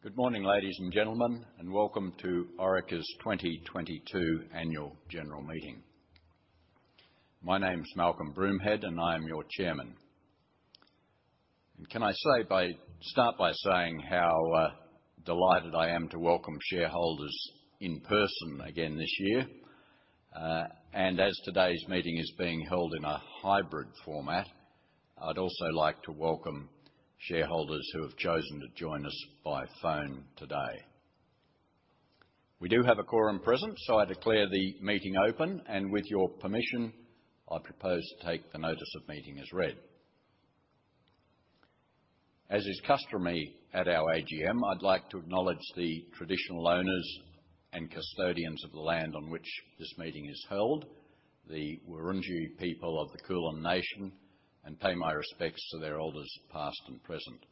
Good morning, ladies and gentlemen, welcome to Orica's 2022 annual general meeting. My name's Malcolm Broomhead, I am your Chairman. Can I start by saying how delighted I am to welcome shareholders in person again this year. As today's meeting is being held in a hybrid format, I'd also like to welcome shareholders who have chosen to join us by phone today. We do have a quorum present, I declare the meeting open, with your permission, I propose to take the notice of meeting as read. As is customary at our AGM, I'd like to acknowledge the traditional owners and custodians of the land on which this meeting is held, the Wurundjeri people of the Kulin nation, and pay my respects to their elders, past and present.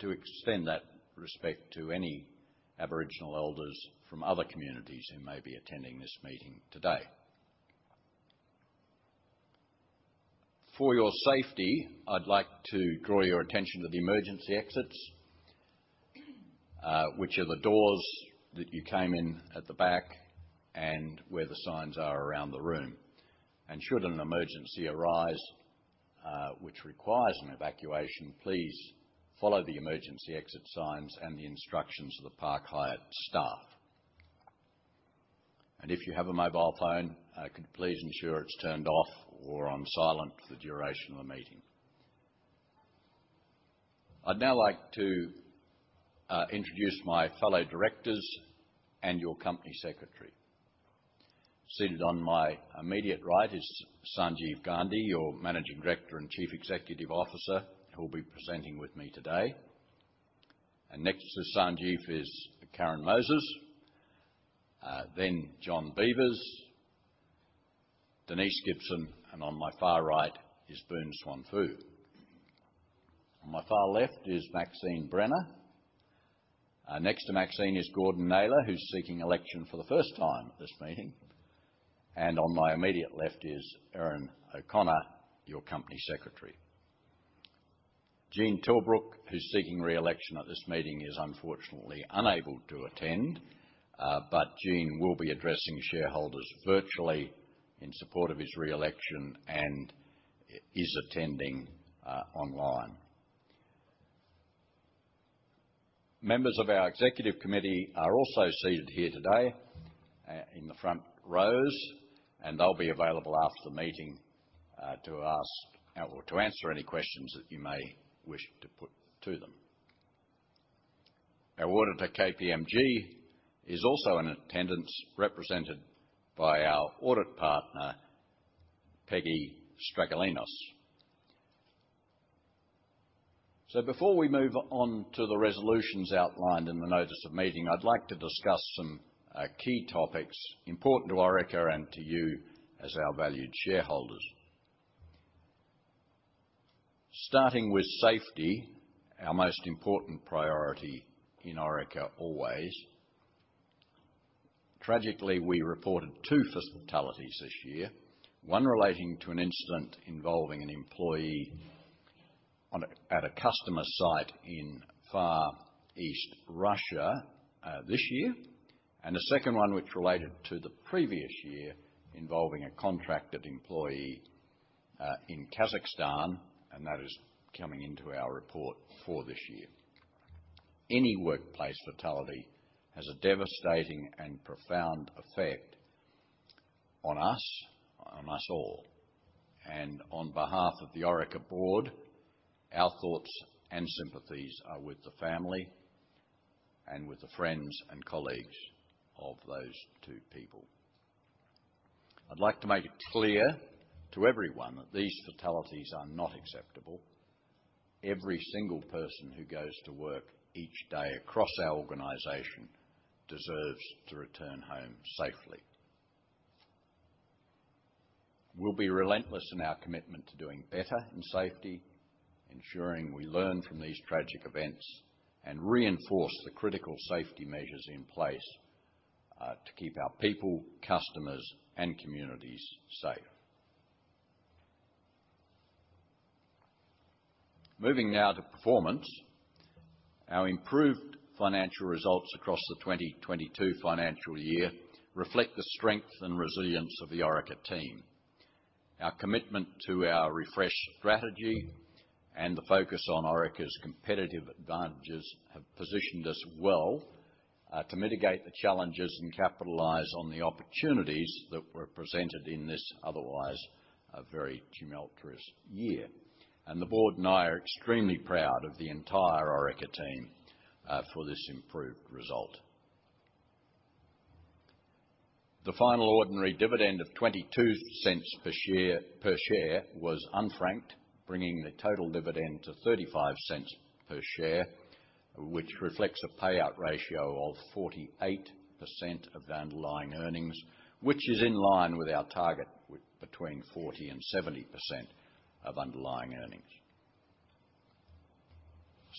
To extend that respect to any Aboriginal elders from other communities who may be attending this meeting today. For your safety, I'd like to draw your attention to the emergency exits, which are the doors that you came in at the back and where the signs are around the room. Should an emergency arise, which requires an evacuation, please follow the emergency exit signs and the instructions of the Park Hyatt staff. If you have a mobile phone, could you please ensure it's turned off or on silent for the duration of the meeting. I'd now like to introduce my fellow directors and your Company Secretary. Seated on my immediate right is Sanjeev Gandhi, your Managing Director and Chief Executive Officer, who will be presenting with me today. Next to Sanjeev is Karen Moses, then John Beevers, Denise Gibson, and on my far right is Boon Swan Foo. On my far left is Maxine Brenner. Next to Maxine is Gordon Naylor, who's seeking election for the first time at this meeting. On my immediate left is Erin O'Connor, your Company Secretary. Gene Tilbrook, who's seeking re-election at this meeting, is unfortunately unable to attend, but Gene will be addressing shareholders virtually in support of his re-election and is attending online. Members of our executive committee are also seated here today in the front rows, and they'll be available after the meeting to ask or to answer any questions that you may wish to put to them. Our auditor, KPMG, is also in attendance, represented by our Audit Partner, Penny Stragalinos. Before we move on to the resolutions outlined in the notice of meeting, I'd like to discuss some key topics important to Orica and to you as our valued shareholders. Starting with safety, our most important priority in Orica always. Tragically, we reported 2 fatalities this year, 1 relating to an incident involving an employee at a customer site in Far East Russia this year, and a 2nd one which related to the previous year involving a contracted employee in Kazakhstan, and that is coming into our report for this year. Any workplace fatality has a devastating and profound effect on us, on us all. On behalf of the Orica board, our thoughts and sympathies are with the family and with the friends and colleagues of those 2 people. I'd like to make it clear to everyone that these fatalities are not acceptable. Every single person who goes to work each day across our organization deserves to return home safely. We'll be relentless in our commitment to doing better in safety, ensuring we learn from these tragic events and reinforce the critical safety measures in place to keep our people, customers, and communities safe. Moving now to performance. Our improved financial results across the 2022 financial year reflect the strength and resilience of the Orica team. Our commitment to our refresh strategy and the focus on Orica's competitive advantages have positioned us well to mitigate the challenges and capitalize on the opportunities that were presented in this otherwise a very tumultuous year. The board and I are extremely proud of the entire Orica team for this improved result. The final ordinary dividend of 0.22 per share was unfranked, bringing the total dividend to 0.35 per share, which reflects a payout ratio of 48% of the underlying earnings, which is in line with our target between 40% and 70% of underlying earnings.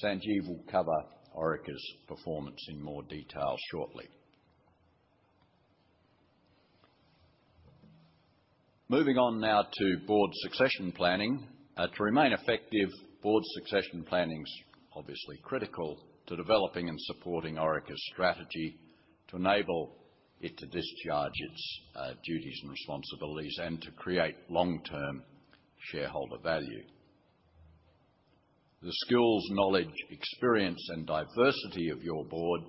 Sanjeev will cover Orica's performance in more detail shortly. Moving on now to board succession planning. To remain effective, board succession planning's obviously critical to developing and supporting Orica's strategy to enable it to discharge its duties and responsibilities and to create long-term shareholder value. The skills, knowledge, experience, and diversity of your board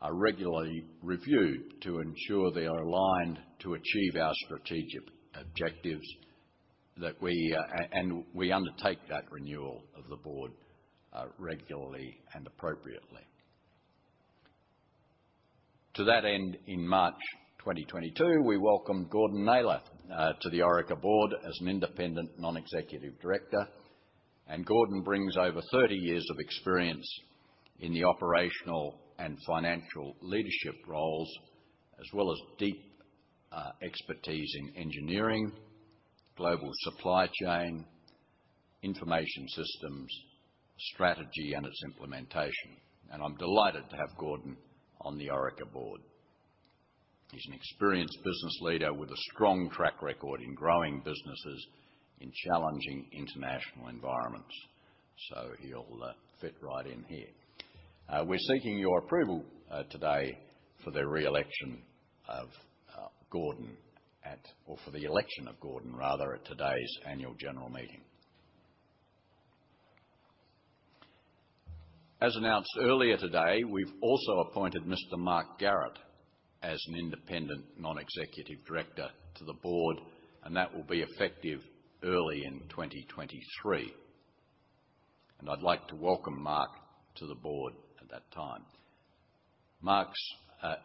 are regularly reviewed to ensure they are aligned to achieve our strategic objectives that we and we undertake that renewal of the board regularly and appropriately. To that end, in March 2022, we welcomed Gordon Naylor to the Orica board as an independent non-executive director. Gordon brings over 30 years of experience in the operational and financial leadership roles, as well as deep expertise in engineering, global supply chain, information systems, strategy, and its implementation. I'm delighted to have Gordon on the Orica board. He's an experienced business leader with a strong track record in growing businesses in challenging international environments, so he'll fit right in here. We're seeking your approval today for the election of Gordon, rather, at today's annual general meeting. As announced earlier today, we've also appointed Mr. Mark Garrett as an independent non-executive director to the board, and that will be effective early in 2023. I'd like to welcome Mark to the board at that time. Mark's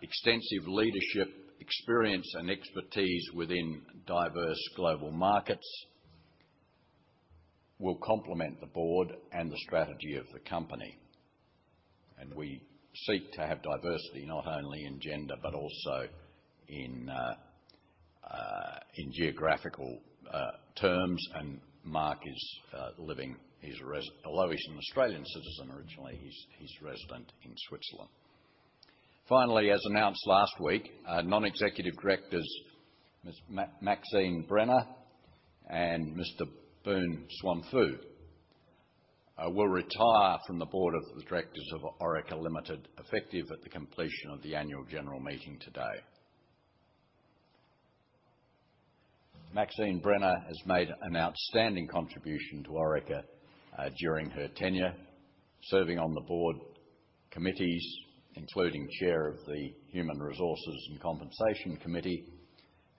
extensive leadership, experience, and expertise within diverse global markets will complement the board and the strategy of the company. We seek to have diversity not only in gender but also in geographical terms. Mark is living. Although he's an Australian citizen originally, he's resident in Switzerland. Finally, as announced last week, non-executive directors Ms. Maxine Brenner and Mr. Boon Swan Foo will retire from the board of the directors of Orica Limited, effective at the completion of the annual general meeting today. Maxine Brenner has made an outstanding contribution to Orica during her tenure, serving on the board committees, including chair of the Human Resources and Compensation Committee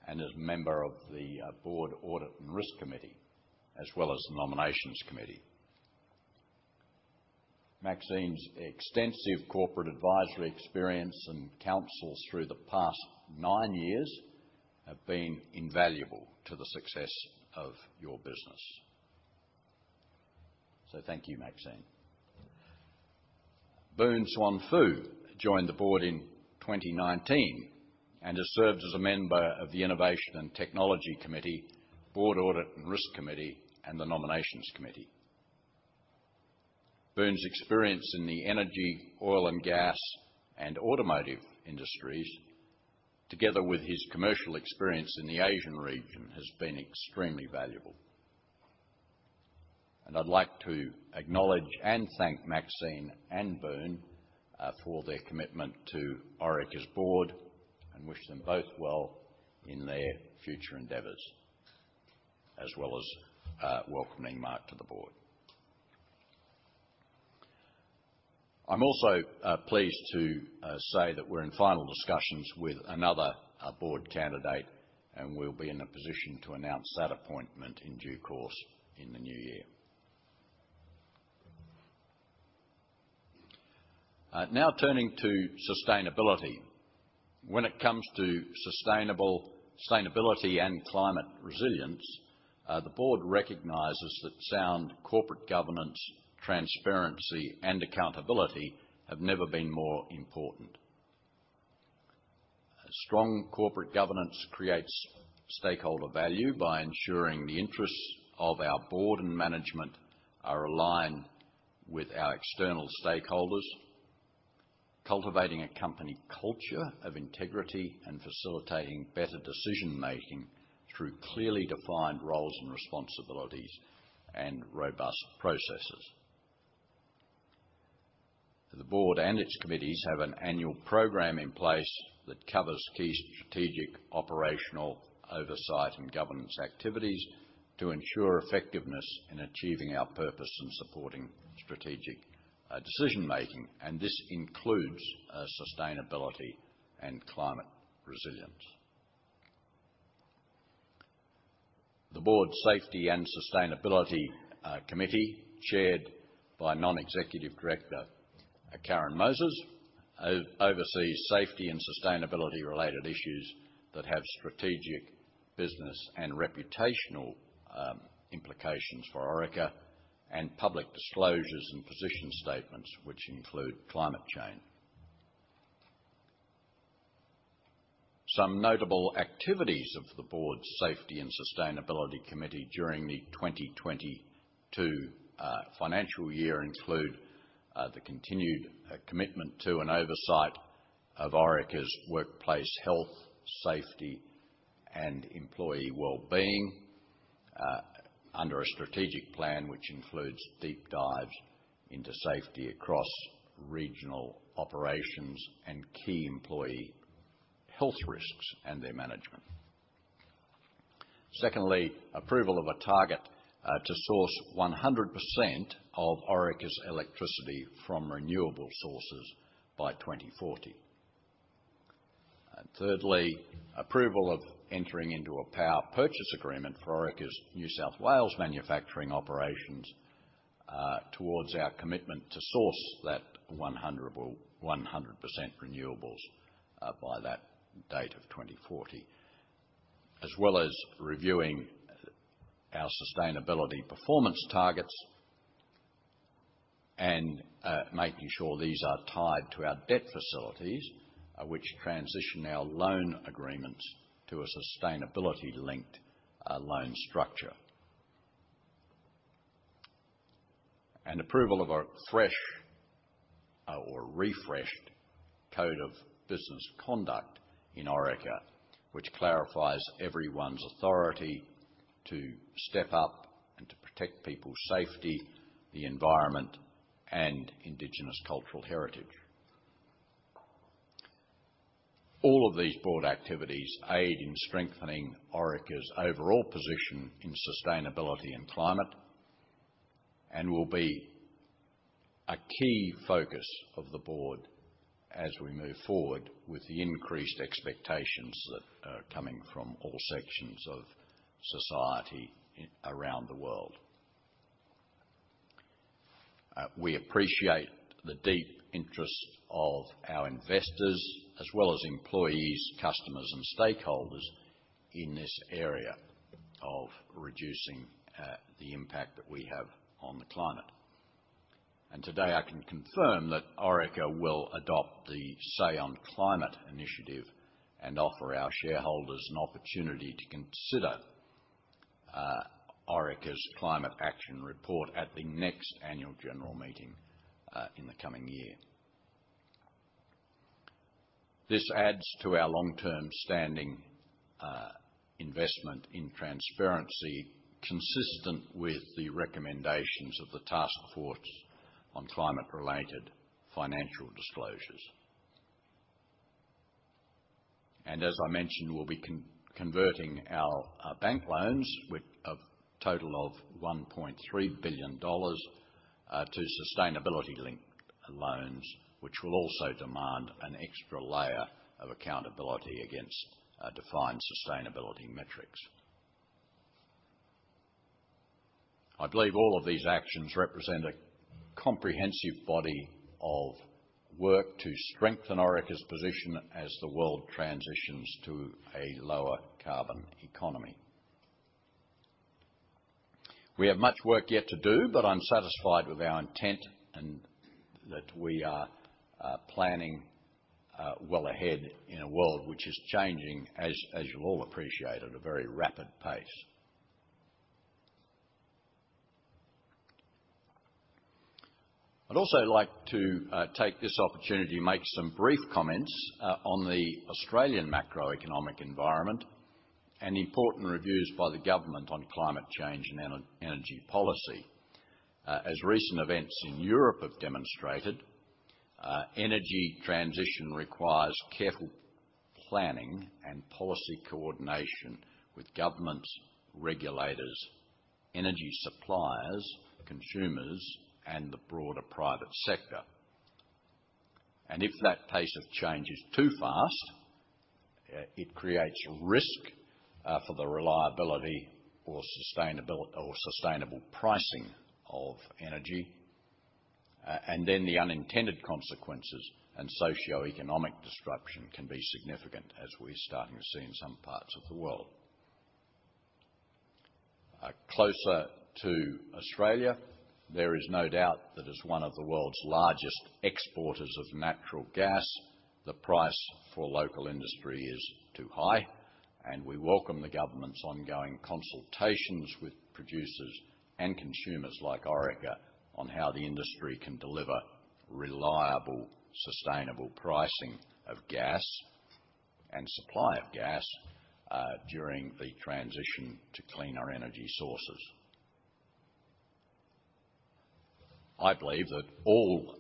and as a member of the Board Audit and Risk Committee, as well as the Nominations Committee. Maxine's extensive corporate advisory experience and counsel through the past nine years have been invaluable to the success of your business. Thank you, Maxine. Boon Swan Foo joined the board in 2019 and has served as a member of the Innovation and Technology Committee, Board Audit and Risk Committee, and the Nominations Committee. Boon's experience in the energy, oil and gas, and automotive industries, together with his commercial experience in the Asian region, has been extremely valuable. I'd like to acknowledge and thank Maxine and Boon for their commitment to Orica's board and wish them both well in their future endeavors, as well as welcoming Mark to the board. I'm also pleased to say that we're in final discussions with another board candidate, we'll be in a position to announce that appointment in due course in the new year. Now turning to sustainability. When it comes to sustainability and climate resilience, the board recognizes that sound corporate governance, transparency, and accountability have never been more important. A strong corporate governance creates stakeholder value by ensuring the interests of our board and management are aligned with our external stakeholders, cultivating a company culture of integrity, and facilitating better decision-making through clearly defined roles and responsibilities and robust processes. The board and its committees have an annual program in place that covers key strategic, operational, oversight, and governance activities to ensure effectiveness in achieving our purpose and supporting strategic decision-making, and this includes sustainability and climate resilience. The board's Safety and Sustainability Committee, chaired by Non-Executive Director Karen Moses, oversees safety and sustainability-related issues that have strategic, business, and reputational implications for Orica and public disclosures and position statements which include climate change. Some notable activities of the board's Safety and Sustainability Committee during the 2022 financial year include the continued commitment to and oversight of Orica's workplace health, safety, and employee wellbeing under a strategic plan which includes deep dives into safety across regional operations and key employee health risks and their management. Secondly, approval of a target to source 100% of Orica's electricity from renewable sources by 2040. Thirdly, approval of entering into a power purchase agreement for Orica's New South Wales manufacturing operations towards our commitment to source that 100% renewables by that date of 2040. As well as reviewing our sustainability performance targets and making sure these are tied to our debt facilities, which transition our loan agreements to a sustainability-linked loan structure. Approval of a fresh or refreshed code of business conduct in Orica, which clarifies everyone's authority to step up and to protect people's safety, the environment, and indigenous cultural heritage. All of these board activities aid in strengthening Orica's overall position in sustainability and climate, and will be a key focus of the board as we move forward with the increased expectations that are coming from all sections of society around the world. We appreciate the deep interest of our investors as well as employees, customers, and stakeholders in this area of reducing the impact that we have on the climate. Today, I can confirm that Orica will adopt the Say On Climate initiative and offer our shareholders an opportunity to consider Orica's climate action report at the next annual general meeting in the coming year. This adds to our long-term standing, investment in transparency consistent with the recommendations of the Task Force on Climate-related Financial Disclosures. As I mentioned, we'll be converting our bank loans with a total of 1.3 billion dollars to sustainability-linked loans, which will also demand an extra layer of accountability against defined sustainability metrics. I believe all of these actions represent a comprehensive body of work to strengthen Orica's position as the world transitions to a lower carbon economy. We have much work yet to do, I'm satisfied with our intent and that we are planning well ahead in a world which is changing as you'll all appreciate, at a very rapid pace. I'd also like to take this opportunity to make some brief comments on the Australian macroeconomic environment and important reviews by the government on climate change and energy policy. As recent events in Europe have demonstrated, energy transition requires careful planning and policy coordination with governments, regulators, energy suppliers, consumers, and the broader private sector. If that pace of change is too fast, it creates risk for the reliability or sustainable pricing of energy, the unintended consequences and socioeconomic disruption can be significant as we're starting to see in some parts of the world. Closer to Australia, there is no doubt that as one of the world's largest exporters of natural gas, the price for local industry is too high, and we welcome the government's ongoing consultations with producers and consumers like Orica on how the industry can deliver reliable, sustainable pricing of gas and supply of gas during the transition to cleaner energy sources. I believe that all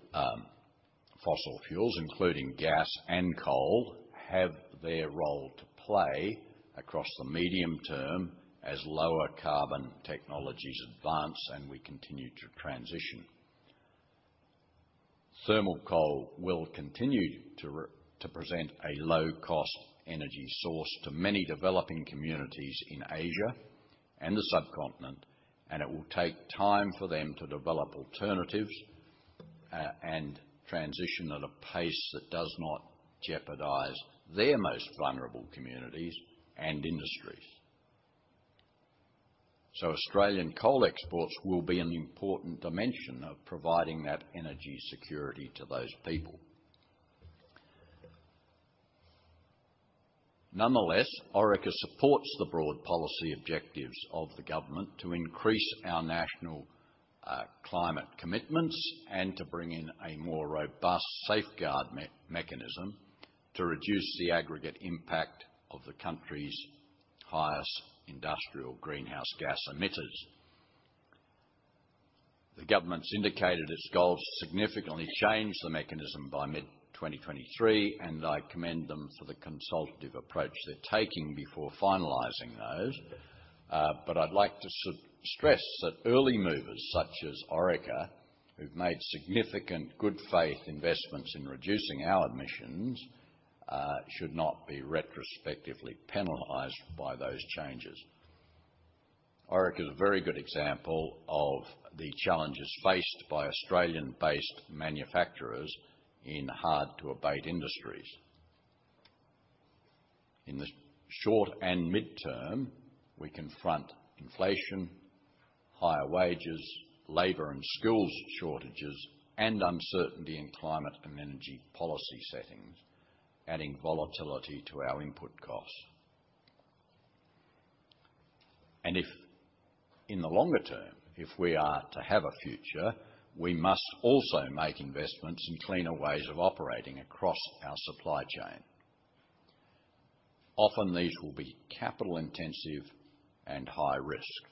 fossil fuels, including gas and coal, have their role to play across the medium term as lower carbon technologies advance and we continue to transition. Thermal coal will continue to present a low-cost energy source to many developing communities in Asia and the subcontinent, and it will take time for them to develop alternatives and transition at a pace that does not jeopardize their most vulnerable communities and industries. Australian coal exports will be an important dimension of providing that energy security to those people. Nonetheless, Orica supports the broad policy objectives of the government to increase our national climate commitments and to bring in a more robust Safeguard Mechanism to reduce the aggregate impact of the country's highest industrial greenhouse gas emitters. The government's indicated its goals significantly change the mechanism by mid-2023, and I commend them for the consultative approach they're taking before finalizing those. But I'd like to stress that early movers, such as Orica, who've made significant good faith investments in reducing our emissions should not be retrospectively penalized by those changes. Orica is a very good example of the challenges faced by Australian-based manufacturers in hard-to-abate industries. In the short and mid-term, we confront inflation, higher wages, labor and skills shortages, and uncertainty in climate and energy policy settings, adding volatility to our input costs. If, in the longer term, if we are to have a future, we must also make investments in cleaner ways of operating across our supply chain. Often these will be capital-intensive and high-risk.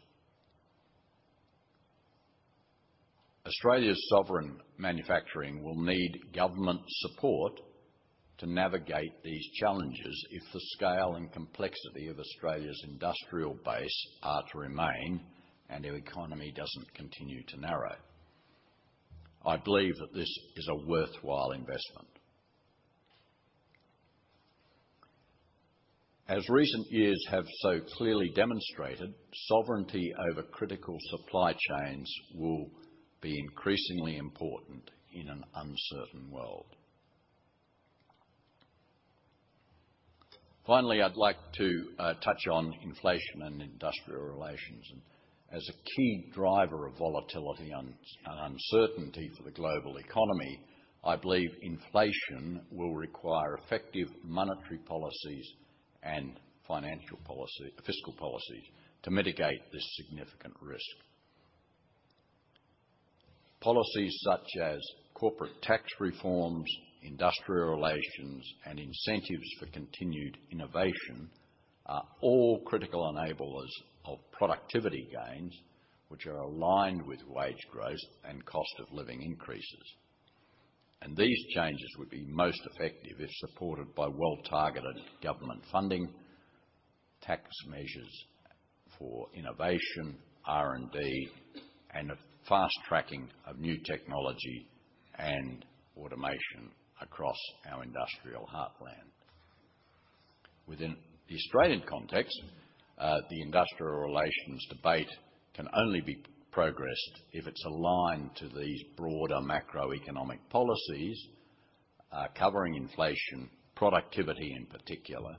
Australia's sovereign manufacturing will need government support to navigate these challenges if the scale and complexity of Australia's industrial base are to remain and their economy doesn't continue to narrow. I believe that this is a worthwhile investment. As recent years have so clearly demonstrated, sovereignty over critical supply chains will be increasingly important in an uncertain world. Finally, I'd like to touch on inflation and industrial relations. As a key driver of volatility and uncertainty for the global economy, I believe inflation will require effective monetary policies and financial policy, fiscal policies to mitigate this significant risk. Policies such as corporate tax reforms, industrial relations, and incentives for continued innovation are all critical enablers of productivity gains, which are aligned with wage growth and cost of living increases. These changes would be most effective if supported by well-targeted government funding, tax measures for innovation, R&D, and a fast-tracking of new technology and automation across our industrial heartland. Within the Australian context, the industrial relations debate can only be progressed if it's aligned to these broader macroeconomic policies, covering inflation, productivity, in particular,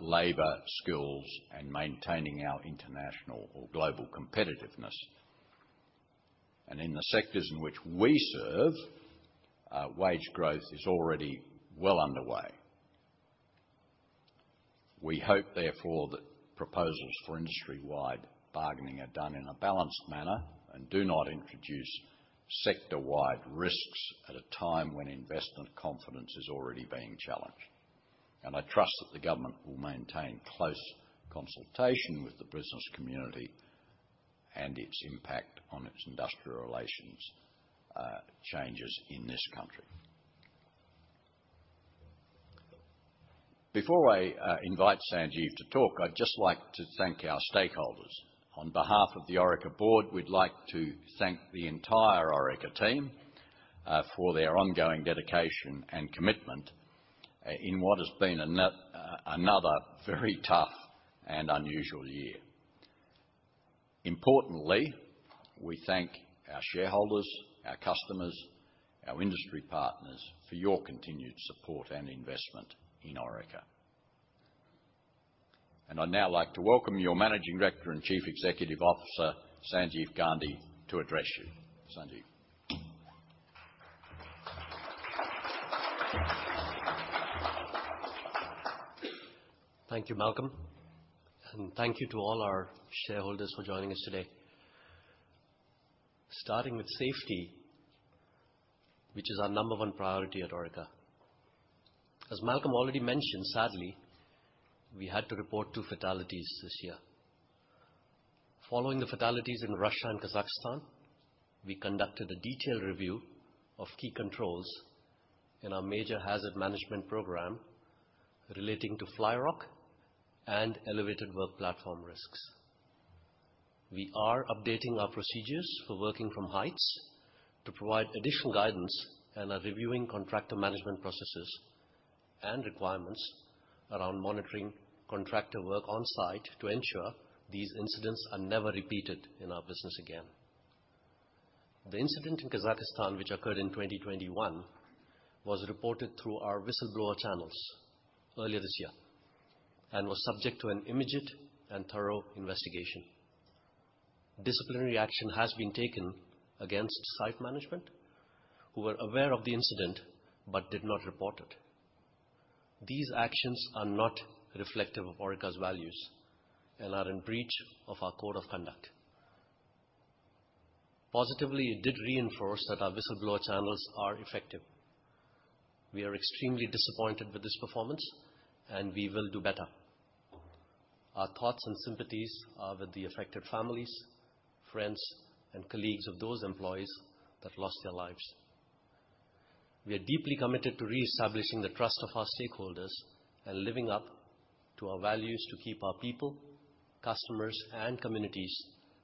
labor skills, and maintaining our international or global competitiveness. In the sectors in which we serve, wage growth is already well underway. We hope, therefore, that proposals for industry-wide bargaining are done in a balanced manner and do not introduce sector-wide risks at a time when investment confidence is already being challenged. I trust that the government will maintain close consultation with the business community and its impact on its industrial relations changes in this country. Before I invite Sanjeev to talk, I'd just like to thank our stakeholders. On behalf of the Orica Board, we'd like to thank the entire Orica team for their ongoing dedication and commitment in what has been another very tough and unusual year. Importantly, we thank our shareholders, our customers, our industry partners for your continued support and investment in Orica. I'd now like to welcome your managing director and chief executive officer, Sanjeev Gandhi, to address you. Sanjeev. Thank you, Malcolm. Thank you to all our shareholders for joining us today. Starting with safety, which is our number one priority at Orica. As Malcolm already mentioned, sadly, we had to report two fatalities this year. Following the fatalities in Russia and Kazakhstan, we conducted a detailed review of key controls in our major hazard management program relating to flyrock and elevated work platform risks. We are updating our procedures for working from heights to provide additional guidance and are reviewing contractor management processes and requirements around monitoring contractor work on-site to ensure these incidents are never repeated in our business again. The incident in Kazakhstan, which occurred in 2021, was reported through our whistleblower channels earlier this year and was subject to an immediate and thorough investigation. Disciplinary action has been taken against site management who were aware of the incident but did not report it. These actions are not reflective of Orica's values and are in breach of our code of conduct. Positively, it did reinforce that our whistleblower channels are effective. We are extremely disappointed with this performance, and we will do better. Our thoughts and sympathies are with the affected families, friends, and colleagues of those employees that lost their lives. We are deeply committed to reestablishing the trust of our stakeholders and living up to our values to keep our people, customers, and communities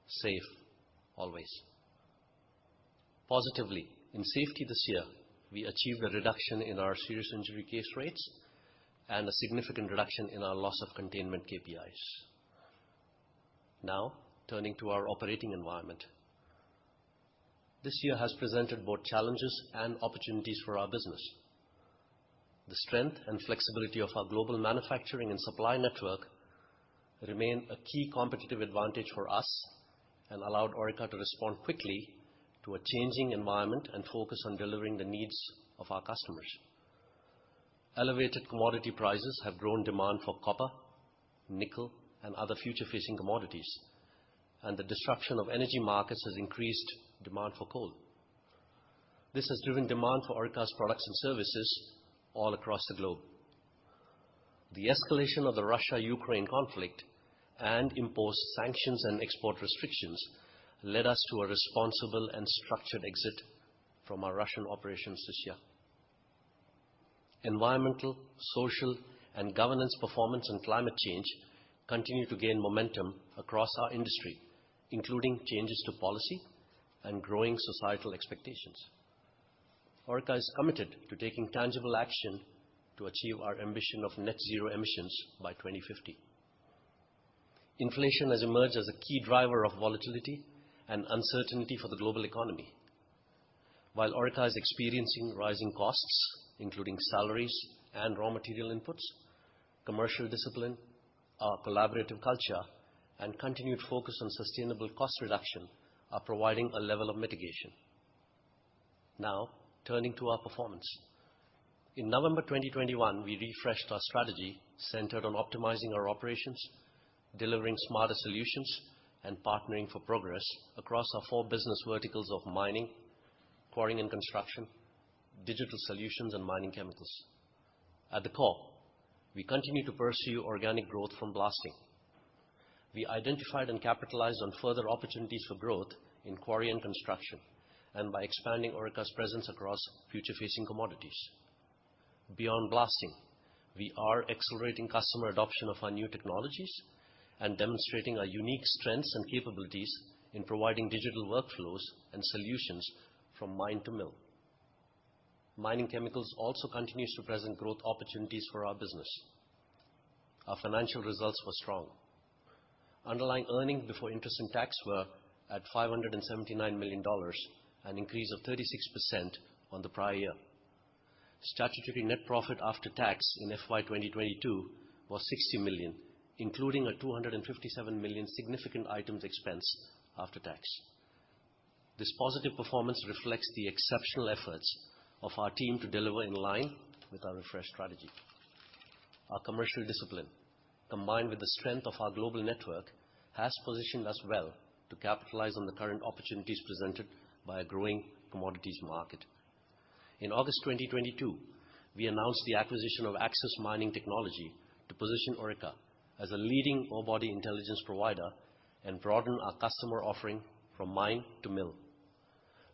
safe always. Positively, in safety this year, we achieved a reduction in our serious injury case rates and a significant reduction in our loss of containment KPIs. Now, turning to our operating environment. This year has presented both challenges and opportunities for our business. The strength and flexibility of our global manufacturing and supply network remain a key competitive advantage for us and allowed Orica to respond quickly to a changing environment and focus on delivering the needs of our customers. Elevated commodity prices have grown demand for copper, nickel, and other future-facing commodities, and the disruption of energy markets has increased demand for coal. This has driven demand for Orica's products and services all across the globe. The escalation of the Russia-Ukraine conflict and imposed sanctions and export restrictions led us to a responsible and structured exit from our Russian operations this year. Environmental, social, and governance performance and climate change continue to gain momentum across our industry, including changes to policy and growing societal expectations. Orica is committed to taking tangible action to achieve our ambition of net zero emissions by 2050. Inflation has emerged as a key driver of volatility and uncertainty for the global economy. While Orica is experiencing rising costs, including salaries and raw material inputs, commercial discipline, our collaborative culture, and continued focus on sustainable cost reduction are providing a level of mitigation. Turning to our performance. In November 2021, we refreshed our strategy centered on optimizing our operations, delivering smarter solutions, and partnering for progress across our four business verticals of mining, quarry and construction, digital solutions, and mining chemicals. At the core, we continue to pursue organic growth from blasting. We identified and capitalized on further opportunities for growth in quarry and construction, and by expanding Orica's presence across future-facing commodities. Beyond blasting, we are accelerating customer adoption of our new technologies and demonstrating our unique strengths and capabilities in providing digital workflows and solutions from mine-to-mill. Mining chemicals also continues to present growth opportunities for our business. Our financial results were strong. Underlying earnings before interest and tax were at 579 million dollars, an increase of 36% on the prior year. Statutory net profit after tax in FY 2022 was 60 million, including an 257 million significant items expense after tax. This positive performance reflects the exceptional efforts of our team to deliver in line with our refreshed strategy. Our commercial discipline, combined with the strength of our global network, has positioned us well to capitalize on the current opportunities presented by a growing commodities market. In August 2022, we announced the acquisition of Axis Mining Technology to position Orica as a leading orebody intelligence provider and broaden our customer offering from mine-to-mill.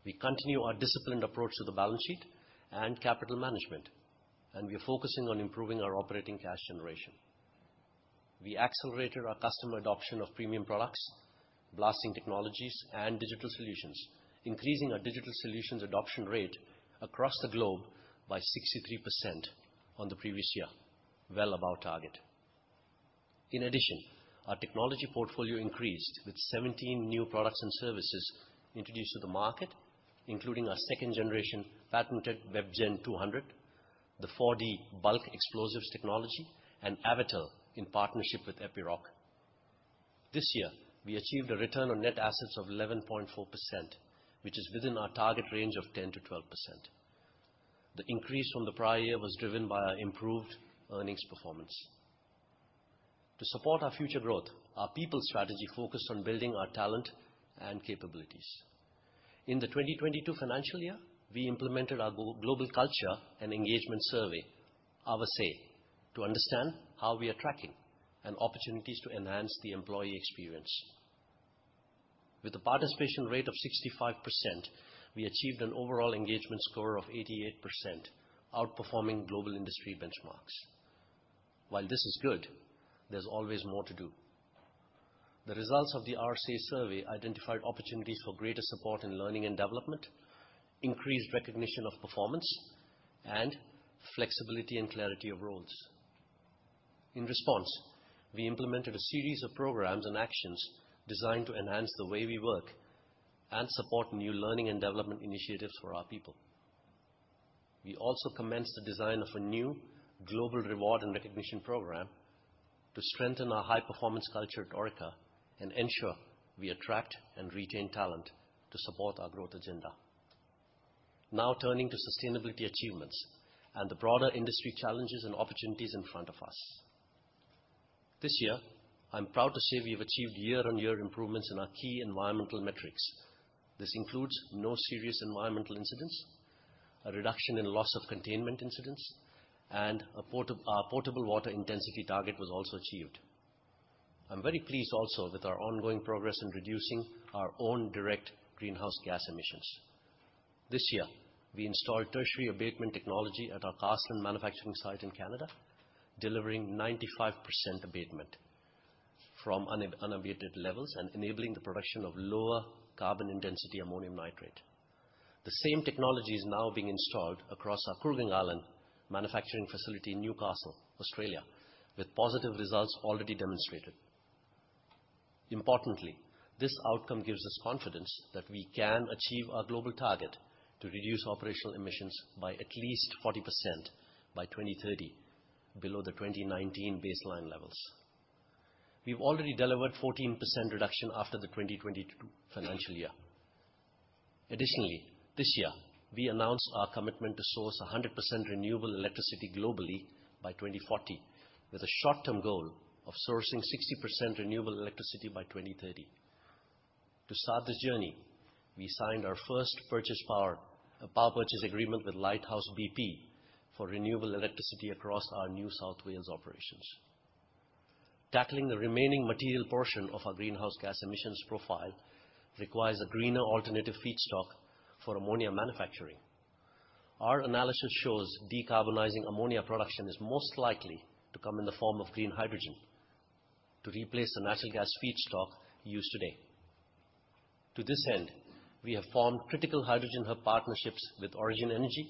We continue our disciplined approach to the balance sheet and capital management, and we are focusing on improving our operating cash generation. We accelerated our customer adoption of premium products, blasting technologies, and digital solutions, increasing our digital solutions adoption rate across the globe by 63% on the previous year, well above target. In addition, our technology portfolio increased with 17 new products and services introduced to the market, including our second generation patented WebGen 200, the 4D bulk explosives technology, and Avatel in partnership with Epiroc. This year, we achieved a return on net assets of 11.4%, which is within our target range of 10%-12%. The increase from the prior year was driven by our improved earnings performance. To support our future growth, our people strategy focused on building our talent and capabilities. In the 2022 financial year, we implemented our global culture and engagement survey, Our Say, to understand how we are tracking and opportunities to enhance the employee experience. With a participation rate of 65%, we achieved an overall engagement score of 88%, outperforming global industry benchmarks. While this is good, there's always more to do. The results of the Our Say survey identified opportunities for greater support in learning and development, increased recognition of performance, and flexibility and clarity of roles. In response, we implemented a series of programs and actions designed to enhance the way we work and support new learning and development initiatives for our people. We also commenced the design of a new global reward and recognition program to strengthen our high-performance culture at Orica and ensure we attract and retain talent to support our growth agenda. Turning to sustainability achievements and the broader industry challenges and opportunities in front of us. This year, I'm proud to say we have achieved year-on-year improvements in our key environmental metrics. This includes no serious environmental incidents, a reduction in loss of containment incidents, and our portable water intensity target was also achieved. I'm very pleased also with our ongoing progress in reducing our own direct greenhouse gas emissions. This year, we installed tertiary abatement technology at our Carseland manufacturing site in Canada, delivering 95% abatement from unabated levels and enabling the production of lower carbon intensity ammonium nitrate. The same technology is now being installed across our Coolangatta manufacturing facility in Newcastle, Australia, with positive results already demonstrated. Importantly, this outcome gives us confidence that we can achieve our global target to reduce operational emissions by at least 40% by 2030, below the 2019 baseline levels. We've already delivered 14% reduction after the 2022 financial year. Additionally, this year, we announced our commitment to source 100% renewable electricity globally by 2040, with a short-term goal of sourcing 60% renewable electricity by 2030. To start this journey, we signed our first power purchase agreement with Lightsource bp for renewable electricity across our New South Wales operations. Tackling the remaining material portion of our greenhouse gas emissions profile requires a greener alternative feedstock for ammonia manufacturing. Our analysis shows decarbonizing ammonia production is most likely to come in the form of green hydrogen to replace the natural gas feedstock used today. To this end, we have formed critical hydrogen hub partnerships with Origin Energy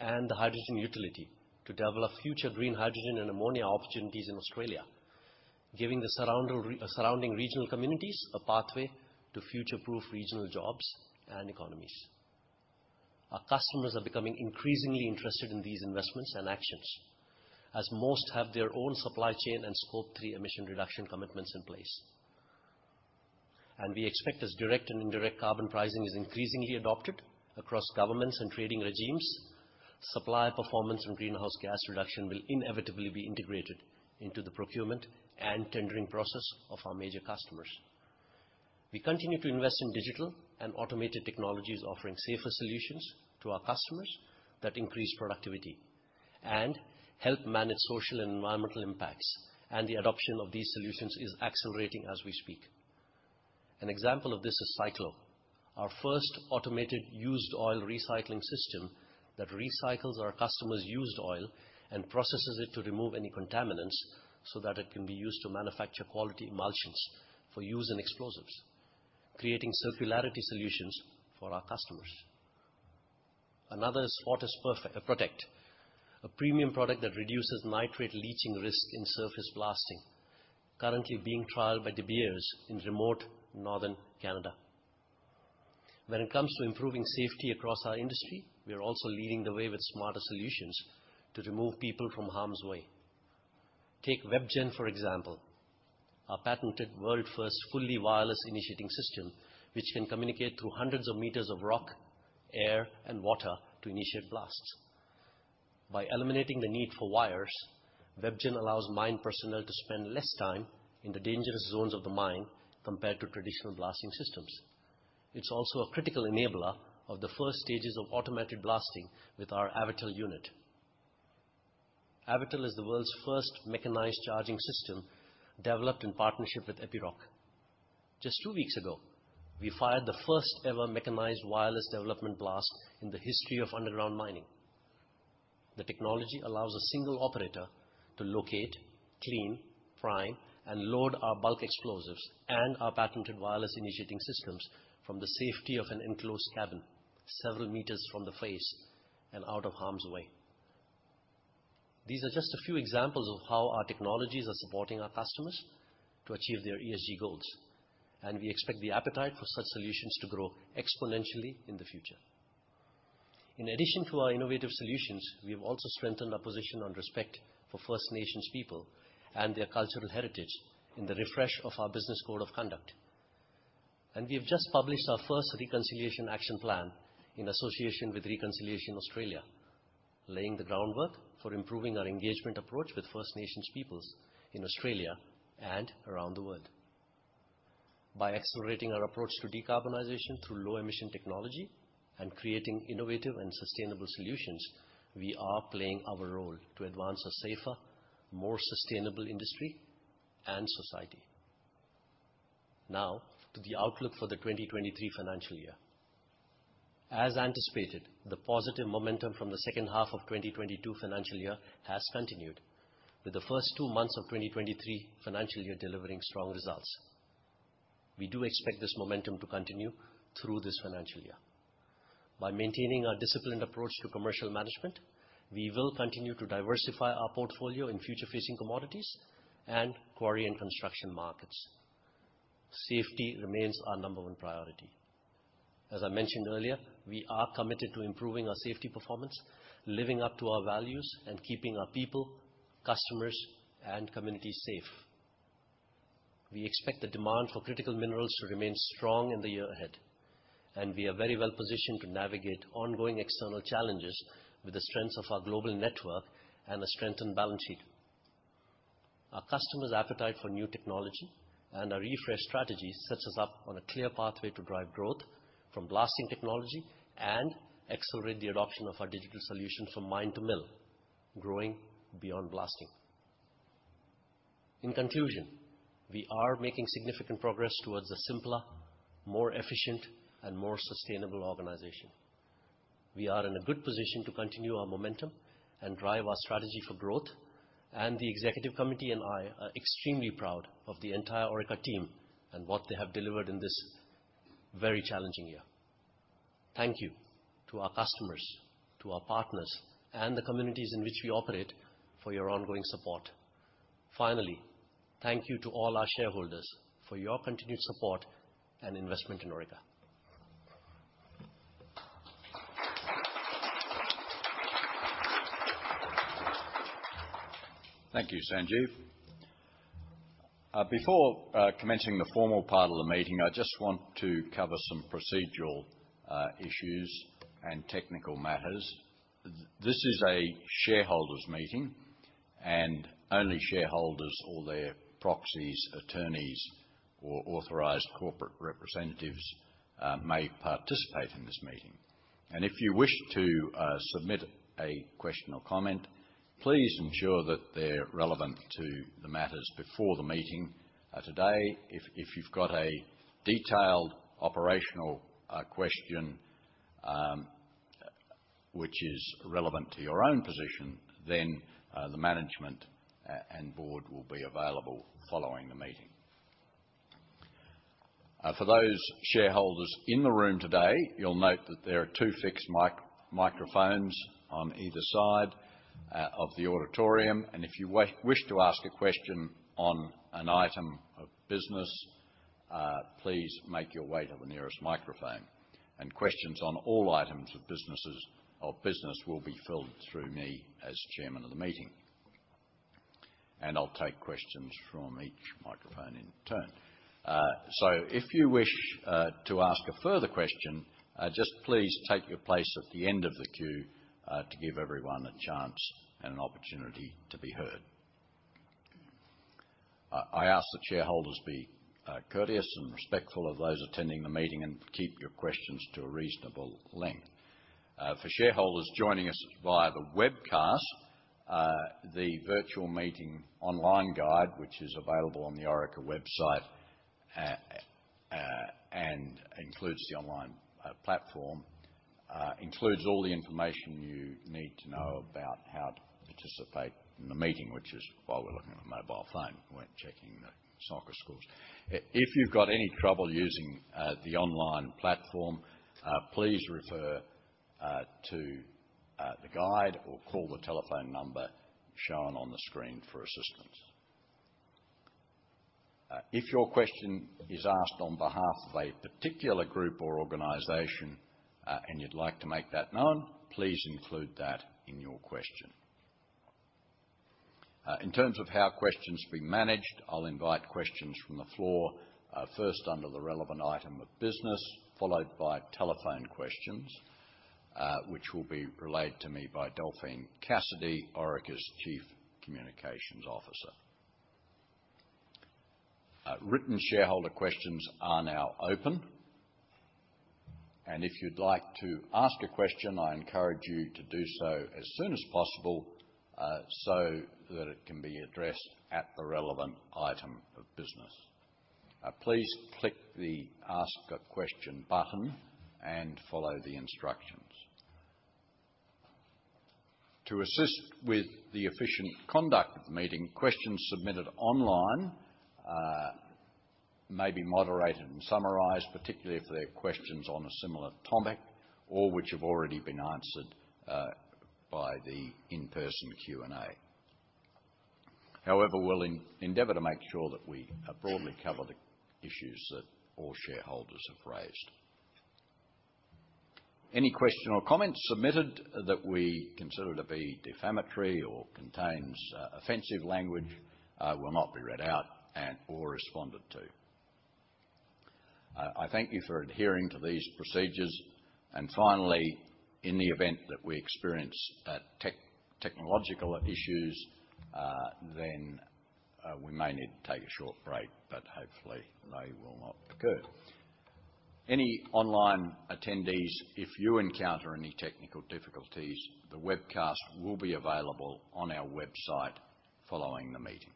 and The Hydrogen Utility to develop future green hydrogen and ammonia opportunities in Australia, giving the surrounding regional communities a pathway to future-proof regional jobs and economies. Our customers are becoming increasingly interested in these investments and actions, as most have their own supply chain and Scope 3 emission reduction commitments in place. We expect as direct and indirect carbon pricing is increasingly adopted across governments and trading regimes, supplier performance and greenhouse gas reduction will inevitably be integrated into the procurement and tendering process of our major customers. We continue to invest in digital and automated technologies offering safer solutions to our customers that increase productivity and help manage social and environmental impacts, and the adoption of these solutions is accelerating as we speak. An example of this is Cyclo, our first automated used oil recycling system that recycles our customers' used oil and processes it to remove any contaminants so that it can be used to manufacture quality emulsions for use in explosives, creating circularity solutions for our customers. Another is Protect, a premium product that reduces nitrate leaching risk in surface blasting, currently being trialed by De Beers in remote northern Canada. When it comes to improving safety across our industry, we are also leading the way with smarter solutions to remove people from harm's way. Take WebGen, for example, our patented world-first fully wireless initiating system, which can communicate through hundreds of meters of rock, air, and water to initiate blasts. By eliminating the need for wires, WebGen allows mine personnel to spend less time in the dangerous zones of the mine compared to traditional blasting systems. It's also a critical enabler of the first stages of automated blasting with our Avatel unit. Avatel is the world's first mechanized charging system developed in partnership with Epiroc. Just two weeks ago, we fired the first ever mechanized wireless development blast in the history of underground mining. The technology allows a single operator to locate, clean, prime, and load our bulk explosives and our patented wireless initiating systems from the safety of an enclosed cabin several meters from the face and out of harm's way. These are just a few examples of how our technologies are supporting our customers to achieve their ESG goals, and we expect the appetite for such solutions to grow exponentially in the future. In addition to our innovative solutions, we have also strengthened our position on respect for First Nations people and their cultural heritage in the refresh of our business code of conduct. We have just published our first Reconciliation Action Plan in association with Reconciliation Australia, laying the groundwork for improving our engagement approach with First Nations peoples in Australia and around the world. By accelerating our approach to decarbonization through low-emission technology and creating innovative and sustainable solutions, we are playing our role to advance a safer, more sustainable industry and society. To the outlook for the 2023 financial year. As anticipated, the positive momentum from the second half of 2022 financial year has continued, with the first two months of 2023 financial year delivering strong results. We do expect this momentum to continue through this financial year. By maintaining our disciplined approach to commercial management, we will continue to diversify our portfolio in future-facing commodities and quarry and construction markets. Safety remains our number one priority. As I mentioned earlier, we are committed to improving our safety performance, living up to our values, and keeping our people, customers, and communities safe. We expect the demand for critical minerals to remain strong in the year ahead, we are very well-positioned to navigate ongoing external challenges with the strengths of our global network and a strengthened balance sheet. Our customers' appetite for new technology and our refreshed strategy sets us up on a clear pathway to drive growth from blasting technology and accelerate the adoption of our digital solution from mine-to-mill, growing beyond blasting. In conclusion, we are making significant progress towards a simpler, more efficient, and more sustainable organization. We are in a good position to continue our momentum and drive our strategy for growth. The executive committee and I are extremely proud of the entire Orica team and what they have delivered in this very challenging year. Thank you to our customers, to our partners, and the communities in which we operate for your ongoing support. Finally, thank you to all our shareholders for your continued support and investment in Orica. Thank you, Sanjeev. Before commencing the formal part of the meeting, I just want to cover some procedural issues and technical matters. This is a shareholders' meeting, and only shareholders or their proxies, attorneys, or authorized corporate representatives may participate in this meeting. If you wish to submit a question or comment, please ensure that they're relevant to the matters before the meeting today. If you've got a detailed operational question, which is relevant to your own position, then the management and Board will be available following the meeting. For those shareholders in the room today, you'll note that there are two fixed microphones on either side of the auditorium. If you wish to ask a question on an item of business, please make your way to the nearest microphone. Questions on all items of business will be fielded through me as chairman of the meeting. I'll take questions from each microphone in turn. If you wish to ask a further question, just please take your place at the end of the queue to give everyone a chance and an opportunity to be heard. I ask that shareholders be courteous and respectful of those attending the meeting and keep your questions to a reasonable length. For shareholders joining us via the webcast, the virtual meeting online guide, which is available on the Orica website, and includes the online platform, includes all the information you need to know about how to participate in the meeting, which is why we're looking at a mobile phone. We weren't checking the soccer scores. If you've got any trouble using the online platform, please refer to the guide or call the telephone number shown on the screen for assistance. If your question is asked on behalf of a particular group or organization, and you'd like to make that known, please include that in your question. In terms of how questions will be managed, I'll invite questions from the floor, first under the relevant item of business, followed by telephone questions, which will be relayed to me by Delphine Cassidy, Orica's Chief Communications Officer. Written shareholder questions are now open. If you'd like to ask a question, I encourage you to do so as soon as possible, so that it can be addressed at the relevant item of business. Please click the Ask a Question button and follow the instructions. To assist with the efficient conduct of the meeting, questions submitted online, may be moderated and summarized, particularly if they're questions on a similar topic or which have already been answered, by the in-person Q&A. We'll endeavor to make sure that we broadly cover the issues that all shareholders have raised. Any question or comments submitted that we consider to be defamatory or contains offensive language, will not be read out and/or responded to. I thank you for adhering to these procedures. Finally, in the event that we experience technological issues, then we may need to take a short break, but hopefully they will not occur. Any online attendees, if you encounter any technical difficulties, the webcast will be available on our website following the meeting.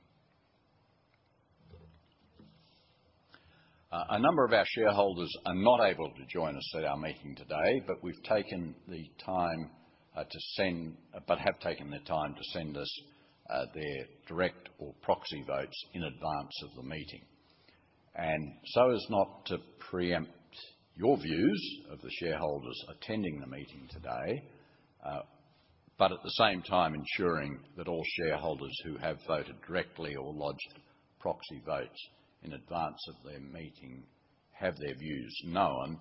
A number of our shareholders are not able to join us at our meeting today, we've taken the time to send us their direct or proxy votes in advance of the meeting. As not to preempt your views of the shareholders attending the meeting today, at the same time, ensuring that all shareholders who have voted directly or lodged proxy votes in advance of their meeting have their views known.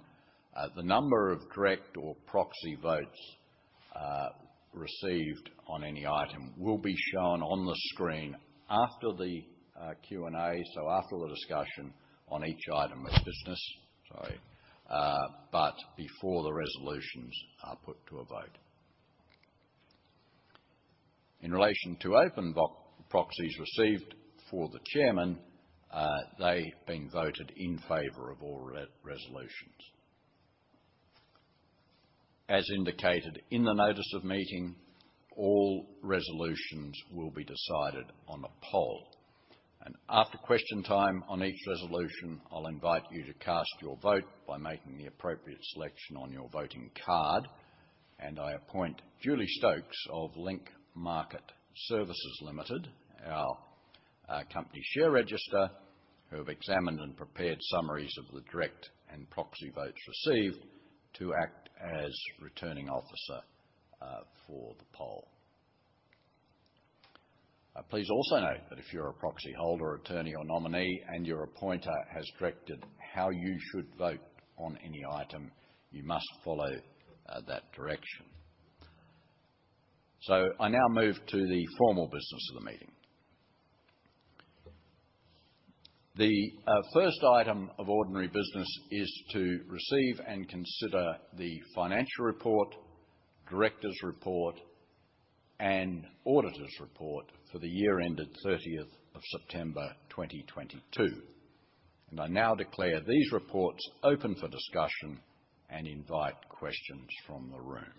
The number of direct or proxy votes received on any item will be shown on the screen after the Q&A. After the discussion on each item of business. Sorry. Before the resolutions are put to a vote. In relation to open proxies received for the Chairman, they've been voted in favor of all resolutions. As indicated in the notice of meeting, all resolutions will be decided on a poll. After question time on each resolution, I'll invite you to cast your vote by making the appropriate selection on your voting card. I appoint Julie Stokes of Link Market Services Limited, our company share register, who have examined and prepared summaries of the direct and proxy votes received to act as returning officer for the poll. Please also note that if you're a proxy holder, attorney or nominee, and your appointer has directed how you should vote on any item, you must follow that direction. I now move to the formal business of the meeting. The first item of ordinary business is to receive and consider the financial report, directors' report, and auditors' report for the year ended 30th of September 2022. I now declare these reports open for discussion and invite questions from the room.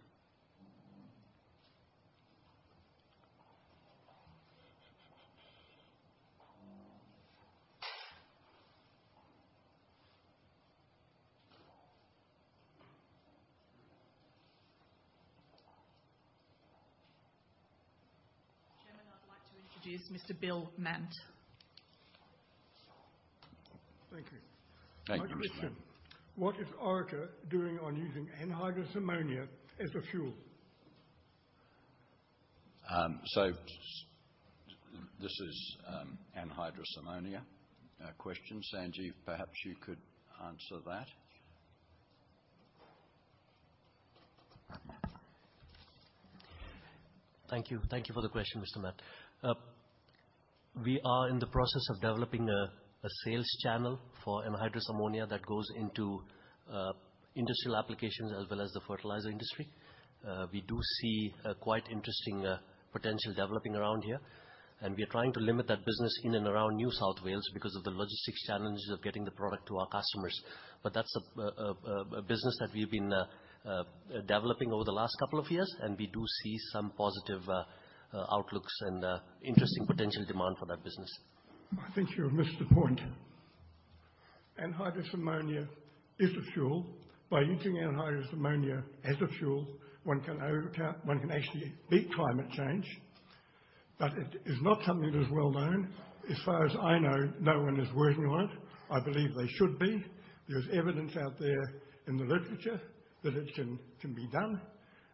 Chairman, I'd like to introduce Mr. Bill Mott. Thank you. Thank you, Mr. Mott. My question: What is Orica doing on using anhydrous ammonia as a fuel? This is anhydrous ammonia question. Sanjeev, perhaps you could answer that. Thank you for the question Mr. Mott. We are in the process of developing a sales channel for anhydrous ammonia that goes into industrial applications as well as the fertilizer industry. We do see a quite interesting potential developing around here, and we are trying to limit that business in and around New South Wales because of the logistics challenges of getting the product to our customers. That's a business that we've been developing over the last couple of years, and we do see some positive outlooks and interesting potential demand for that business I think you've missed the point. Anhydrous ammonia is a fuel. By using anhydrous ammonia as a fuel, one can actually beat climate change. It is not something that is well known. As far as I know, no one is working on it. I believe they should be. There's evidence out there in the literature that it can be done.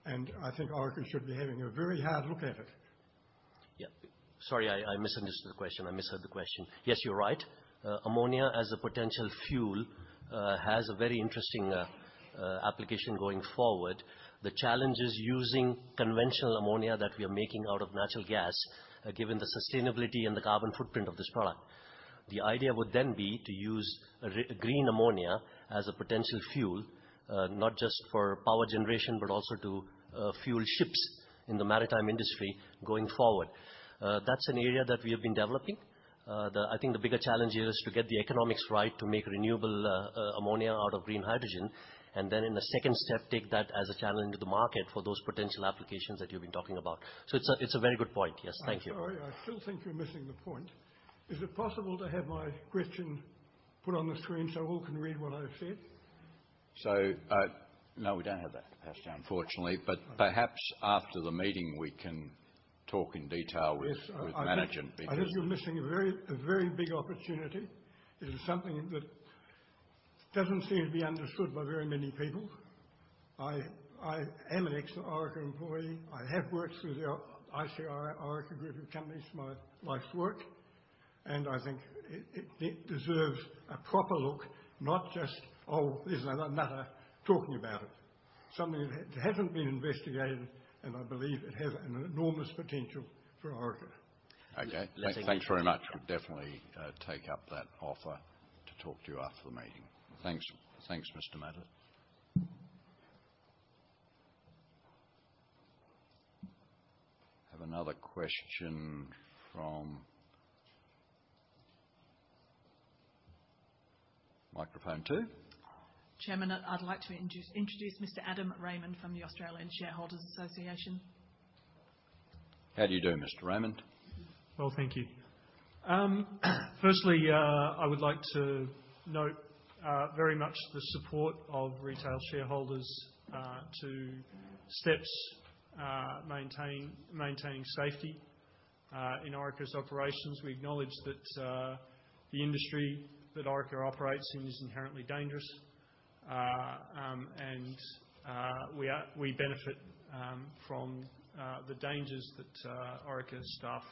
I think Orica should be having a very hard look at it. Yeah. Sorry, I misunderstood the question. I misheard the question. Yes, you're right. ammonia as a potential fuel has a very interesting application going forward. The challenge is using conventional ammonia that we are making out of natural gas, given the sustainability and the carbon footprint of this product. The idea would then be to use re-green ammonia as a potential fuel, not just for power generation, but also to fuel ships in the maritime industry going forward. That's an area that we have been developing. I think the bigger challenge here is to get the economics right to make renewable ammonia out of green hydrogen, and then in the second step, take that as a channel into the market for those potential applications that you've been talking about. It's a very good point. Yes. Thank you. I'm sorry. I still think you're missing the point. Is it possible to have my question put on the screen so all can read what I've said? No, we don't have that capacity, unfortunately. Perhaps after the meeting, we can talk in detail. Yes. with management because- I think you're missing a very big opportunity. It is something that doesn't seem to be understood by very many people. I am an ex-Orica employee. I have worked with the Orica group of companies my life's work, I think it deserves a proper look, not just, "Oh, there's another nutter talking about it." Something that hasn't been investigated, I believe it has an enormous potential for Orica. Okay. Yes, thank you. Thanks very much. We'll definitely take up that offer to talk to you after the meeting. Thanks. Thanks, Mr. Mott. Have another question from microphone two. Chairman, I'd like to introduce Mr. Adam Raymond from the Australian Shareholders' Association. How do you do, Mr. Raymond? Well, thank you. Firstly, I would like to note very much the support of retail shareholders to steps maintaining safety in Orica's operations, we acknowledge that the industry that Orica operates in is inherently dangerous. We benefit from the dangers that Orica staff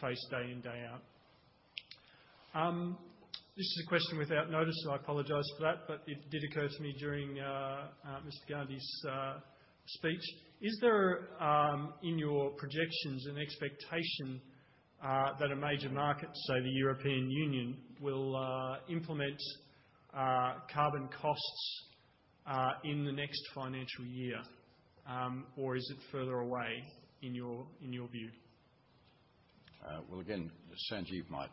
face day in, day out. This is a question without notice, so I apologize for that, but it did occur to me during Mr. Gandhi's speech. Is there in your projections an expectation that a major market, say, the European Union, will implement carbon costs in the next financial year? Or is it further away in your view? Well, again, Sanjeev might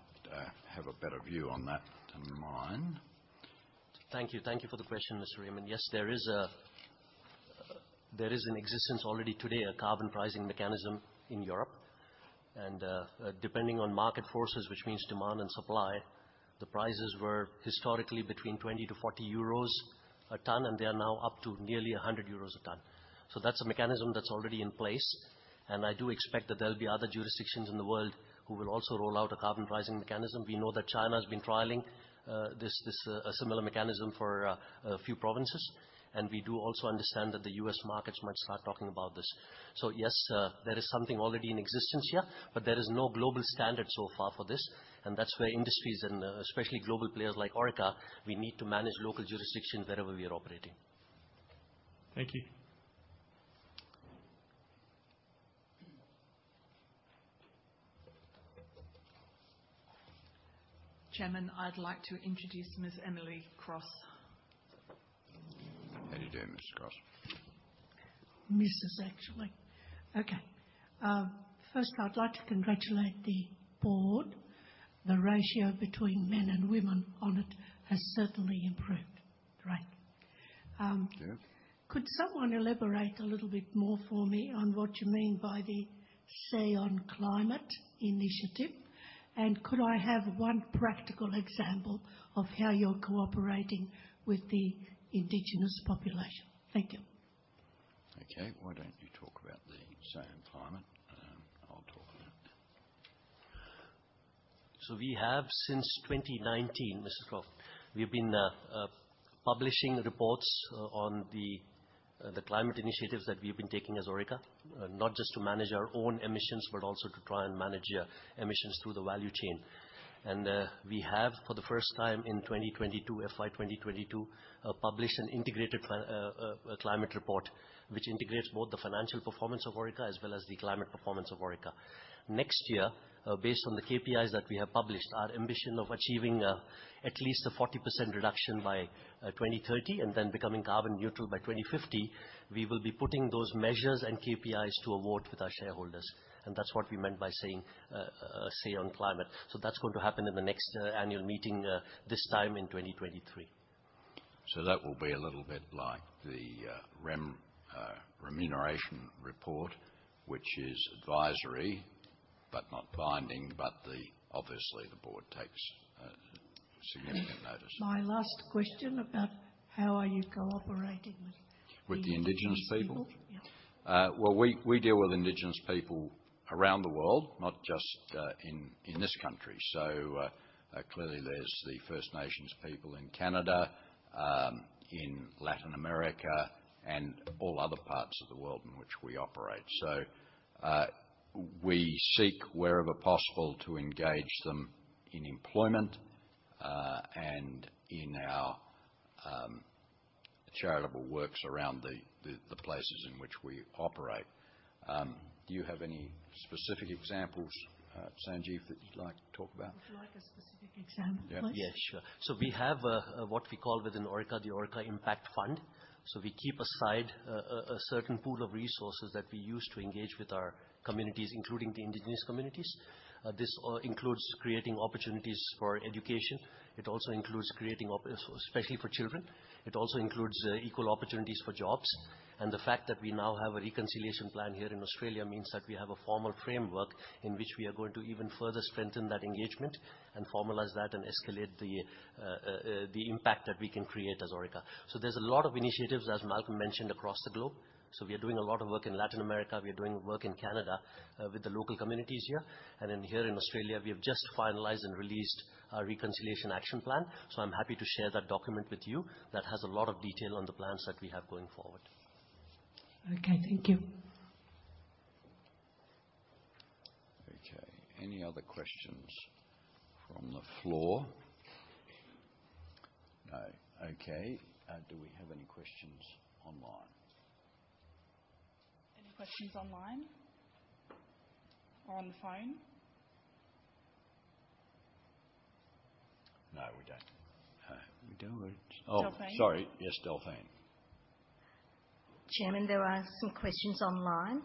have a better view on that than mine. Thank you. Thank you for the question, Mr. Raymond. Yes, there is in existence already today a carbon pricing mechanism in Europe. Depending on market forces, which means demand and supply, the prices were historically between 20-40 euros a ton, and they are now up to nearly 100 euros a ton. That's a mechanism that's already in place. I do expect that there'll be other jurisdictions in the world who will also roll out a carbon pricing mechanism. We know that China has been trialing this similar mechanism for a few provinces. We do also understand that the U.S. markets might start talking about this. Yes, there is something already in existence here, but there is no global standard so far for this. That's where industries and especially global players like Orica, we need to manage local jurisdictions wherever we are operating. Thank you. Chairman, I'd like to introduce Ms. Emily Cross. How you doing, Ms. Cross? Mrs. actually. Okay. First I'd like to congratulate the board. The ratio between men and women on it has certainly improved. Great. Yes. Could someone elaborate a little bit more for me on what you mean by the Say on Climate initiative? Could I have 1 practical example of how you're cooperating with the indigenous population? Thank you. Okay. Why don't you talk about the Say on Climate, I'll talk about. We have since 2019, Mrs. Cross, we've been publishing reports on the climate initiatives that we've been taking as Orica. Not just to manage our own emissions, but also to try and manage the emissions through the value chain. We have for the first time in 2022, FY 2022, published an integrated climate report, which integrates both the financial performance of Orica as well as the climate performance of Orica. Next year, based on the KPIs that we have published, our ambition of achieving at least a 40% reduction by 2030 and then becoming carbon neutral by 2050, we will be putting those measures and KPIs to award with our shareholders. That's what we meant by saying Say on Climate. That's going to happen in the next, annual meeting, this time in 2023. That will be a little bit like the remuneration report, which is advisory but not binding. The, obviously the board takes significant notice. My last question about how are you cooperating. With the indigenous people? These people? Yeah. Well, we deal with indigenous people around the world, not just in this country. Clearly there's the First Nations people in Canada, in Latin America and all other parts of the world in which we operate. We seek wherever possible to engage them in employment, and in our charitable works around the places in which we operate. Do you have any specific examples, Sanjeev, that you'd like to talk about? Would you like a specific example, please? Yeah. We have what we call within Orica, the Orica Impact Fund. We keep aside a certain pool of resources that we use to engage with our communities, including the indigenous communities. This all includes creating opportunities for education. It also includes creating especially for children. It also includes equal opportunities for jobs. The fact that we now have a Reconciliation Plan here in Australia means that we have a formal framework in which we are going to even further strengthen that engagement and formalize that and escalate the impact that we can create as Orica. There's a lot of initiatives, as Malcolm mentioned, across the globe. We are doing a lot of work in Latin America. We are doing work in Canada with the local communities here. Here in Australia, we have just finalized and released our Reconciliation Action Plan. I'm happy to share that document with you that has a lot of detail on the plans that we have going forward. Okay. Thank you. Okay. Any other questions from the floor? No. Okay. Do we have any questions online? Any questions online or on the phone? No, we don't. we don't Delphine. Oh, sorry. Yes, Delphine. Chairman, there are some questions online.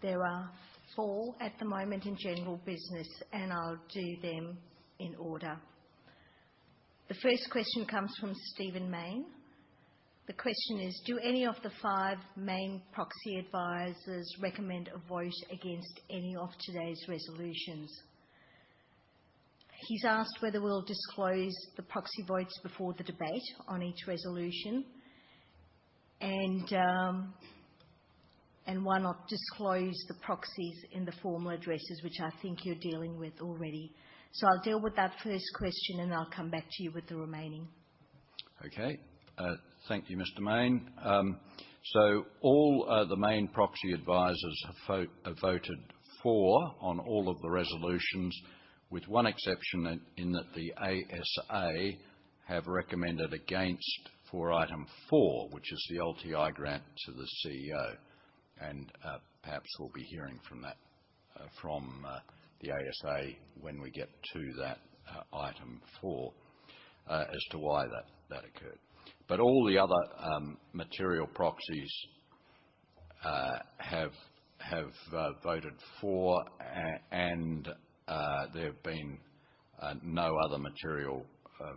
There are four at the moment in general business, and I'll do them in order. The first question comes from Stephen Mayne. The question is: Do any of the five main proxy advisors recommend a vote against any of today's resolutions? He's asked whether we'll disclose the proxy votes before the debate on each resolution, and why not disclose the proxies in the formal addresses, which I think you're dealing with already. I'll deal with that first question, and I'll come back to you with the remaining. Okay. Thank you, Mr. Mayne. All the main proxy advisors have voted for on all of the resolutions, with one exception in that the ASA have recommended against for item four, which is the LTI grant to the CEO. Perhaps we'll be hearing from that from the ASA when we get to that item four as to why that occurred. All the other material proxies have voted for and there have been no other material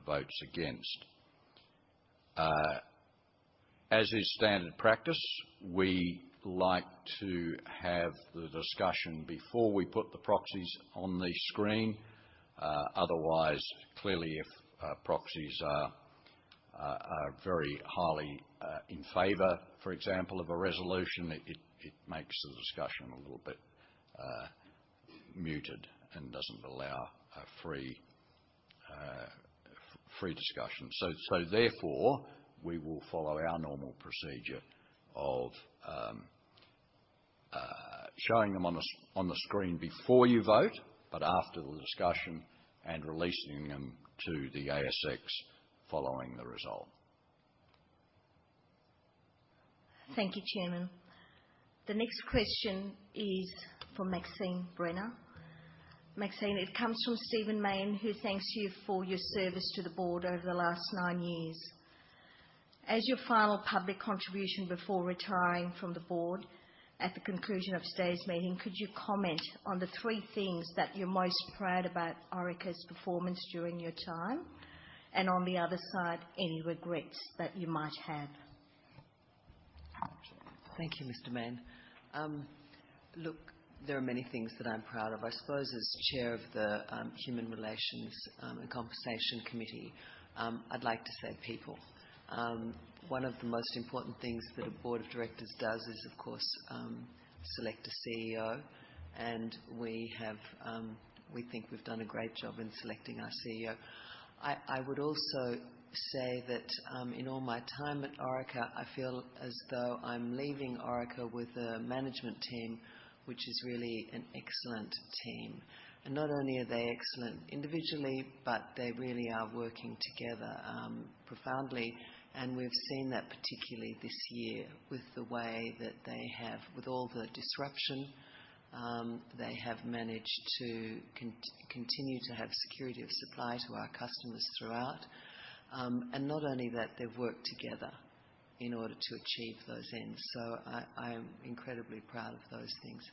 votes against. As is standard practice, we like to have the discussion before we put the proxies on the screen. Otherwise, clearly if proxies are very highly in favor, for example, of a resolution, it makes the discussion a little bit muted and doesn't allow a free discussion. Therefore, we will follow our normal procedure of showing them on the screen before you vote, but after the discussion, and releasing them to the ASX following the result. Thank you, Chairman. The next question is for Maxine Brenner. Maxine, it comes from Stephen Mayne, who thanks you for your service to the board over the last nine years. As your final public contribution before retiring from the board at the conclusion of today's meeting, could you comment on the three things that you're most proud about Orica's performance during your time? On the other side, any regrets that you might have? Thank you, Mr. Mayne. Look, there are many things that I'm proud of. I suppose as Chair of the Human Resources and Compensation Committee, I'd like to say people. One of the most important things that a board of directors does is, of course, select a CEO. We have, we think we've done a great job in selecting our CEO. I would also say that, in all my time at Orica, I feel as though I'm leaving Orica with a management team, which is really an excellent team. Not only are they excellent individually, but they really are working together profoundly. We've seen that particularly this year with the way that they have, with all the disruption, they have managed to continue to have security of supply to our customers throughout. Not only that, they've worked together in order to achieve those ends. I am incredibly proud of those things.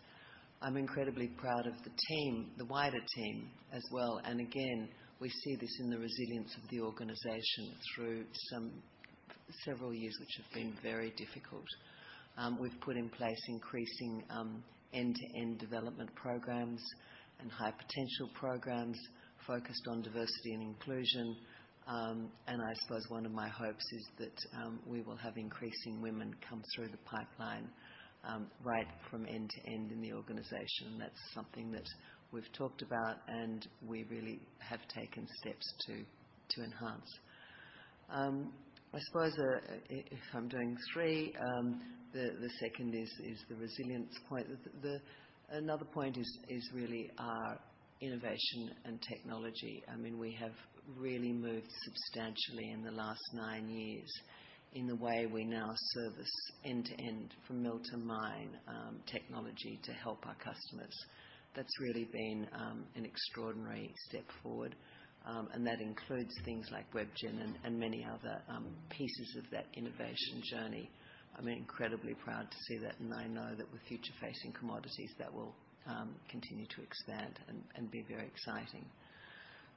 I'm incredibly proud of the team, the wider team as well. Again, we see this in the resilience of the organization through several years, which have been very difficult. We've put in place increasing end-to-end development programs and high potential programs focused on diversity and inclusion. I suppose one of my hopes is that we will have increasing women come through the pipeline right from end to end in the organization. That's something that we've talked about, and we really have taken steps to enhance. I suppose, if I'm doing 3, the second is the resilience point. The another point is really our innovation and technology. I mean, we have really moved substantially in the last 9 years in the way we now service end-to-end from mill to mine, technology to help our customers. That's really been an extraordinary step forward. That includes things like WebGen and many other pieces of that innovation journey. I'm incredibly proud to see that, and I know that with future-facing commodities, that will continue to expand and be very exciting.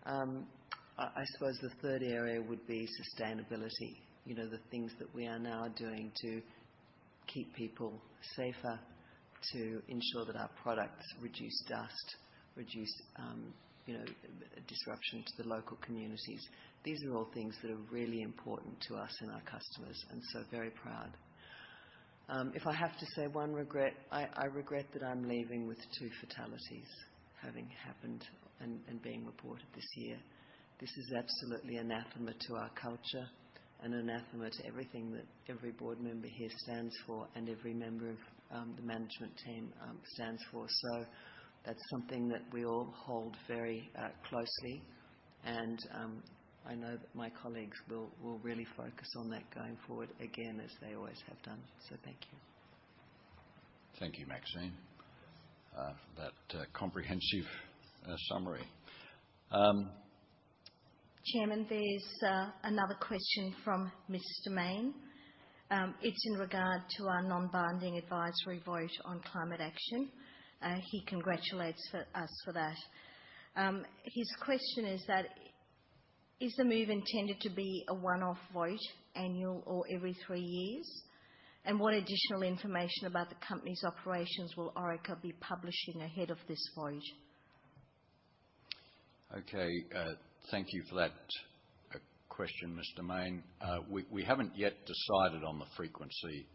I suppose the third area would be sustainability. You know, the things that we are now doing to keep people safer, to ensure that our products reduce dust, reduce, disruption to the local communities. These are all things that are really important to us and our customers, very proud. If I have to say one regret, I regret that I'm leaving with two fatalities having happened and being reported this year. This is absolutely anathema to our culture and anathema to everything that every board member here stands for and every member of the management team stands for. That's something that we all hold very closely. I know that my colleagues will really focus on that going forward again, as they always have done. Thank you. Thank you, Maxine, for that comprehensive summary. Chairman, there's another question from Mr. Mayne. It's in regard to our non-binding advisory vote on climate action. He congratulates us for that. His question is: Is the move intended to be a 1-off vote, annual or every 3 years? What additional information about the company's operations will Orica be publishing ahead of this vote? Okay, thank you for that question, Mr. Mayne. We haven't yet decided on the frequency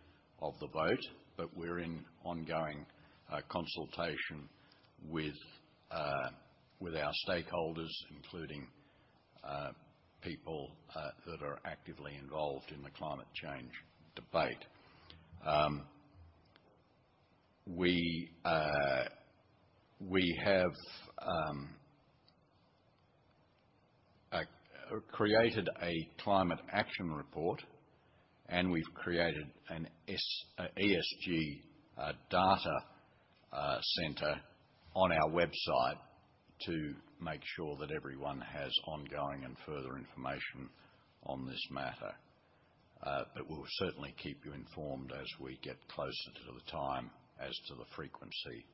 of the vote, but we're in ongoing consultation with our stakeholders, including people that are actively involved in the climate change debate. We have created a climate action report, and we've created an ESG data center on our website to make sure that everyone has ongoing and further information on this matter. We'll certainly keep you informed as we get closer to the time as to the frequency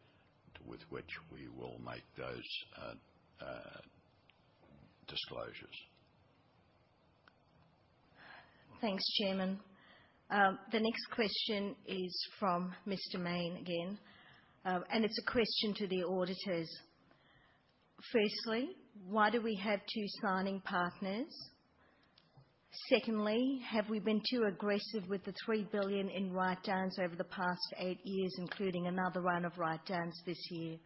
with which we will make those disclosures. Thanks, Chairman. The next question is from Mr. Mayne again. It's a question to the auditors. Firstly, why do we have 2 signing partners? Secondly, have we been too aggressive with the 3 billion in write-downs over the past 8 years, including another round of write-downs this year?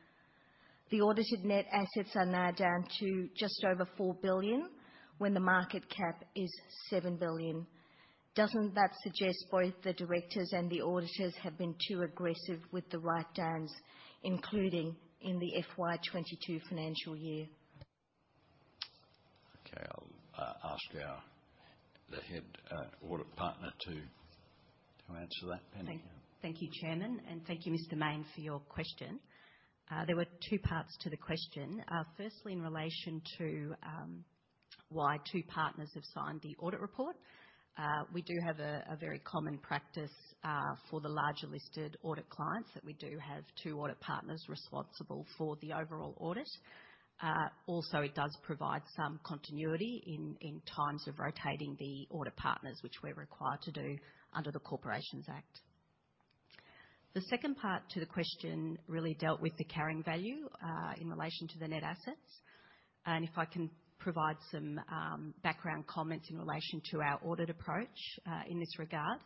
The audited net assets are now down to just over 4 billion when the market cap is 7 billion. Doesn't that suggest both the directors and the auditors have been too aggressive with the write-downs, including in the FY 2022 financial year? Okay, I'll ask the Head Audit Partner to answer that. Penny, yeah. Thank you, Chairman, and thank you Mr. Mayne for your question. There were two parts to the question. Firstly in relation to why two partners have signed the audit report. We do have a very common practice for the larger listed audit clients that we do have two audit partners responsible for the overall audit. It does provide some continuity in times of rotating the audit partners which we're required to do under the Corporations Act. The second part to the question really dealt with the carrying value in relation to the net assets. If I can provide some background comments in relation to our audit approach in this regard.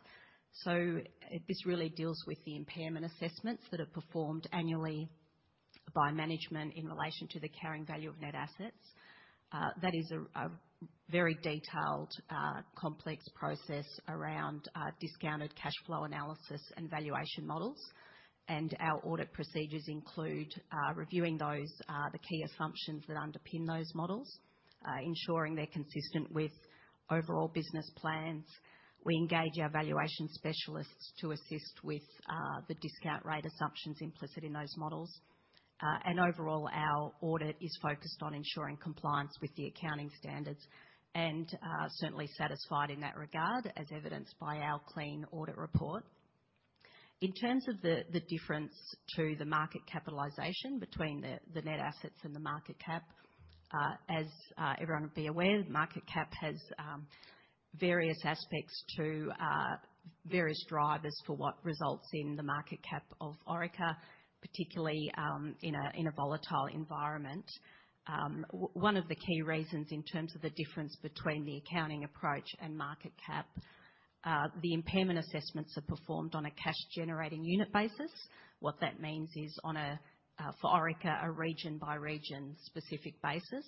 This really deals with the impairment assessments that are performed annually by management in relation to the carrying value of net assets. That is a very detailed, complex process around discounted cash flow analysis and valuation models. Our audit procedures include reviewing those, the key assumptions that underpin those models, ensuring they're consistent with overall business plans. We engage our valuation specialists to assist with the discount rate assumptions implicit in those models. Overall, our audit is focused on ensuring compliance with the accounting standards and certainly satisfied in that regard as evidenced by our clean audit report. In terms of the difference to the market capitalization between the net assets and the market cap, as everyone would be aware, the market cap has various aspects to various drivers for what results in the market cap of Orica, particularly in a volatile environment. One of the key reasons in terms of the difference between the accounting approach and market cap, the impairment assessments are performed on a cash generating unit basis. What that means is on a for Orica, a region by region specific basis.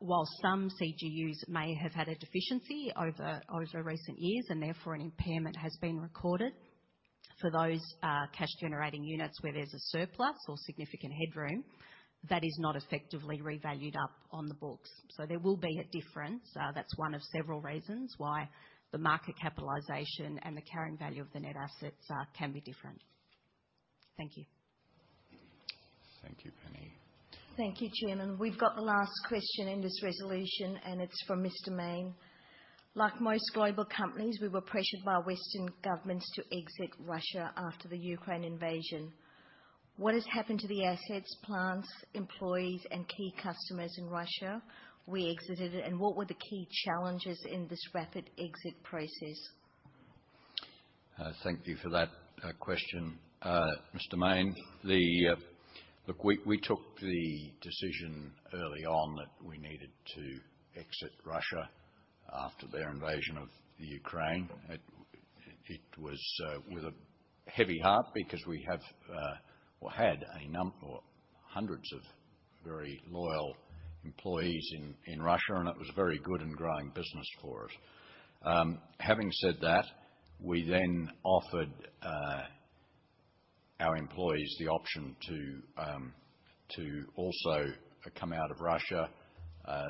While some CGUs may have had a deficiency over recent years and therefore an impairment has been recorded, for those cash generating units where there's a surplus or significant headroom, that is not effectively revalued up on the books. There will be a difference. That's one of several reasons why the market capitalization and the carrying value of the net assets can be different. Thank you. Thank you, Penny. Thank you, Chairman. We've got the last question in this resolution, and it's from Mr. Mayne. Like most global companies, we were pressured by Western governments to exit Russia after the Ukraine invasion. What has happened to the assets, plants, employees, and key customers in Russia? We exited it, and what were the key challenges in this rapid exit process? Thank you for that question, Mr. Mayne. We took the decision early on that we needed to exit Russia after their invasion of Ukraine. It was with a heavy heart because we have or had hundreds of very loyal employees in Russia, and it was very good and growing business for us. Having said that, we offered our employees the option to also come out of Russia. I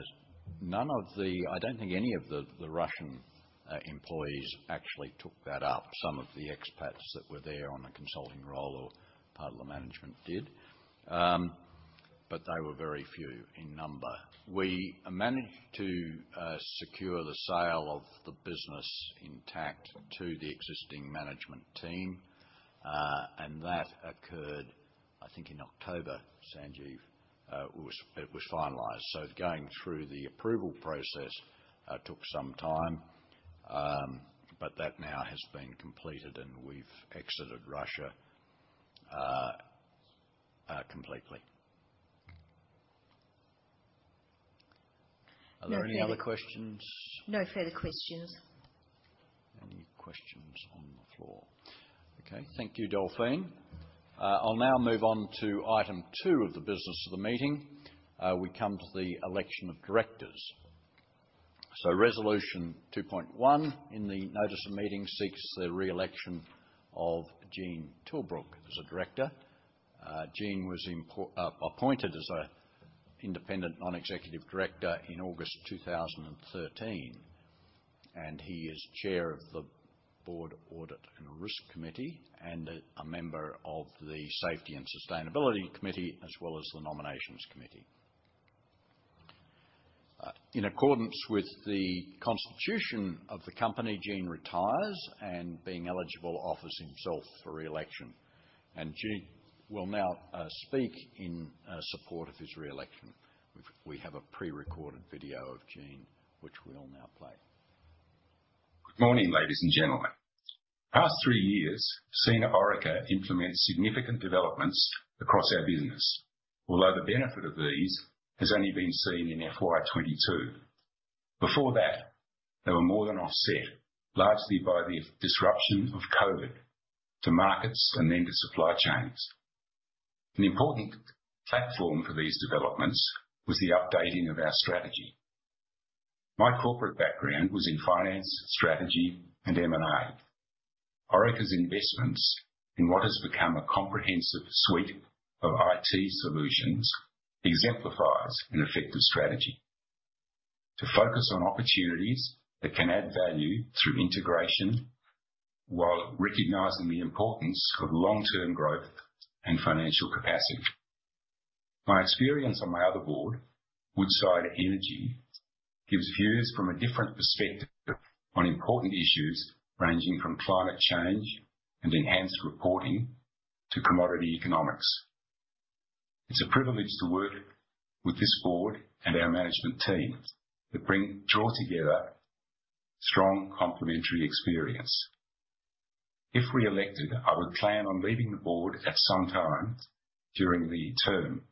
don't think any of the Russian employees actually took that up. Some of the expats that were there on a consulting role or part of the management did. They were very few in number. We managed to secure the sale of the business intact to the existing management team. That occurred I think in October, Sanjeev, it was finalized. Going through the approval process took some time. That now has been completed, and we've exited Russia completely. Are there any other questions? No further questions. Any questions on the floor? Okay. Thank you, Delphine. I'll now move on to item 2 of the business of the meeting. We come to the election of directors. Resolution 2.1 in the notice of meeting seeks the re-election of Gene Tilbrook as a director. Gene was appointed as an independent non-executive director in August 2013, and he is Chair of the Board Audit and Risk Committee and a member of the Safety and Sustainability Committee as well as the Nominations Committee. In accordance with the constitution of the company, Gene retires and being eligible offers himself for re-election. Gene will now speak in support of his re-election. We have a pre-recorded video of Gene, which we'll now play. Good morning, ladies and gentlemen. Past three years seen Orica implement significant developments across our business. The benefit of these has only been seen in FY 2022. Before that, they were more than offset, largely by the disruption of COVID to markets and then to supply chains. An important platform for these developments was the updating of our strategy. My corporate background was in finance, strategy, and M&A. Orica's investments in what has become a comprehensive suite of I.T. solutions exemplifies an effective strategy to focus on opportunities that can add value through integration while recognizing the importance of long-term growth and financial capacity. My experience on my other board, Woodside Energy, gives views from a different perspective on important issues ranging from climate change and enhanced reporting to commodity economics. It's a privilege to work with this board and our management team that draw together strong complementary experience. If re-elected, I would plan on leaving the board at some time during the term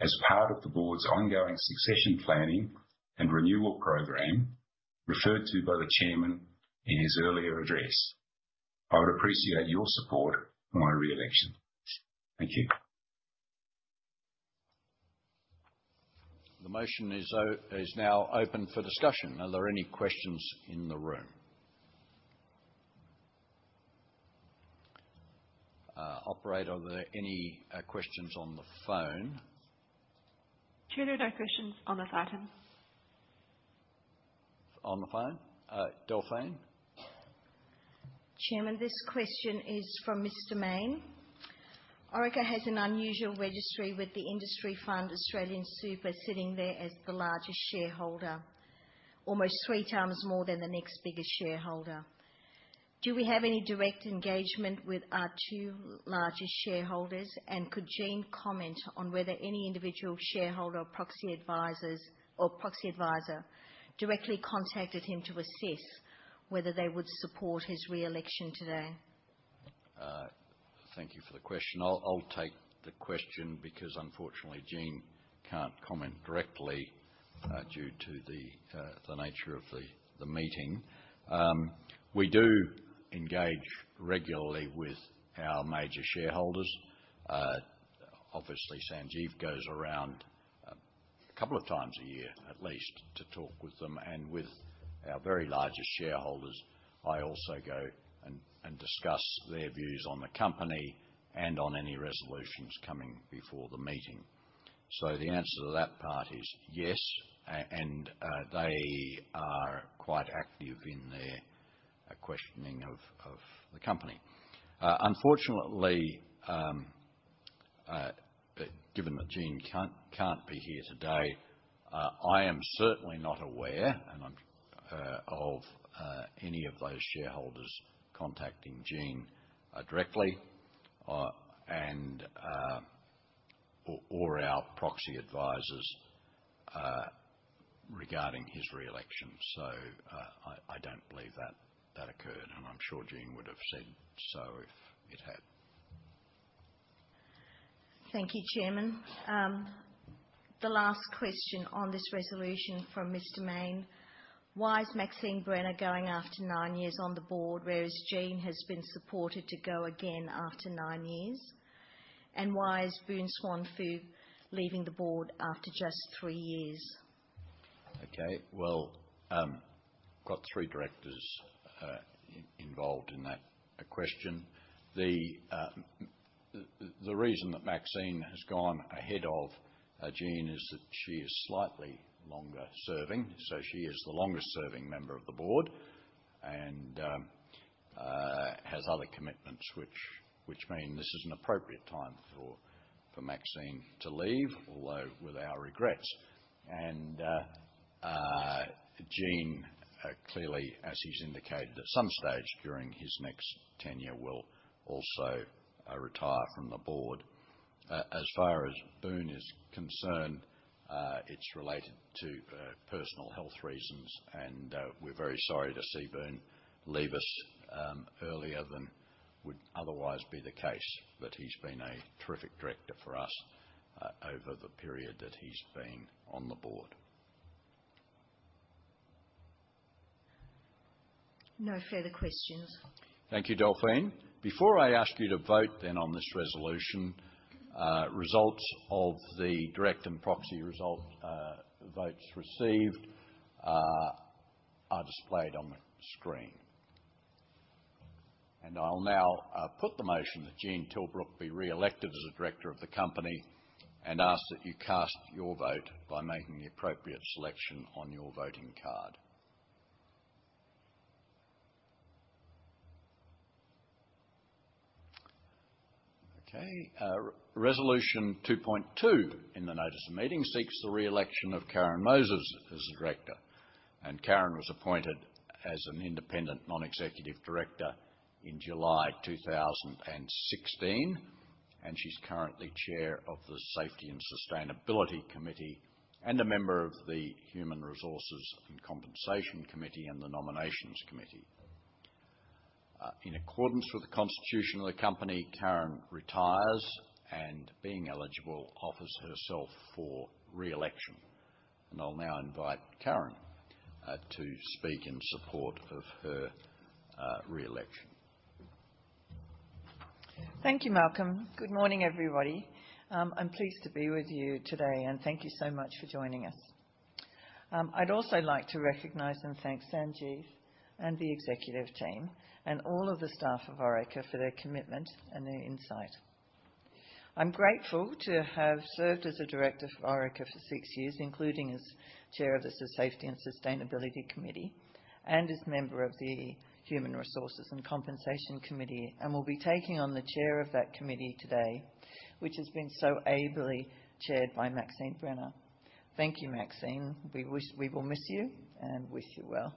as part of the board's ongoing succession planning and renewal program referred to by the chairman in his earlier address. I would appreciate your support on my re-election. Thank you. The motion is now open for discussion. Are there any questions in the room? Operator, are there any questions on the phone? Chair, no questions on this item. On the phone? Delphine. Chairman, this question is from Mr. Mayne. Orica has an unusual registry with the Industry Fund AustralianSuper sitting there as the largest shareholder, almost three times more than the next biggest shareholder. Do we have any direct engagement with our two largest shareholders? Could Gene comment on whether any individual shareholder or proxy advisor directly contacted him to assess whether they would support his re-election today? Thank you for the question. I'll take the question because unfortunately, Gene can't comment directly due to the nature of the meeting. We do engage regularly with our major shareholders. Obviously Sanjeev goes around a couple of times a year at least to talk with them and with our very largest shareholders. I also go and discuss their views on the company and on any resolutions coming before the meeting. The answer to that part is yes, and they are quite active in their questioning of the company. Unfortunately, given that Gene can't be here today, I am certainly not aware and I'm of any of those shareholders contacting Gene directly and or our proxy advisors regarding his re-election. I don't believe that that occurred, and I'm sure Gene would have said so if it had. Thank you, Chairman. The last question on this resolution from Mr. Mayne: Why is Maxine Brenner going after nine years on the board, whereas Gene has been supported to go again after nine years? Why is Boon Swan Foo leaving the board after just three years? Okay. Well, got three directors involved in that question. The reason that Maxine has gone ahead of Gene is that she is slightly longer serving, so she is the longest serving member of the board and has other commitments which mean this is an appropriate time for Maxine to leave, although with our regrets. Gene, clearly, as he's indicated, at some stage during his next tenure will also retire from the board. As far as Boon is concerned, it's related to personal health reasons, and we're very sorry to see Boon leave us earlier than would otherwise be the case. He's been a terrific director for us over the period that he's been on the board. No further questions. Thank you, Delphine. Before I ask you to vote then on this resolution, results of the direct and proxy result, votes received, are displayed on the screen. I'll now put the motion that Gene Tilbrook be reelected as a director of the company and ask that you cast your vote by making the appropriate selection on your voting card. Okay. Resolution 2.2 in the notice of meeting seeks the reelection of Karen Moses as a director, and Karen was appointed as an independent non-executive director in July 2016. She's currently chair of the Safety and Sustainability Committee and a member of the Human Resources and Compensation Committee and the Nominations Committee. In accordance with the constitution of the company, Karen retires, and being eligible, offers herself for reelection. I'll now invite Karen to speak in support of her reelection. Thank you, Malcolm. Good morning, everybody. I'm pleased to be with you today, and thank you so much for joining us. I'd also like to recognize and thank Sanjeev and the executive team and all of the staff of Orica for their commitment and their insight. I'm grateful to have served as a director for Orica for six years, including as chair of the Safety and Sustainability Committee and as member of the Human Resources and Compensation Committee, and will be taking on the chair of that committee today, which has been so ably chaired by Maxine Brenner. Thank you, Maxine. We will miss you and wish you well.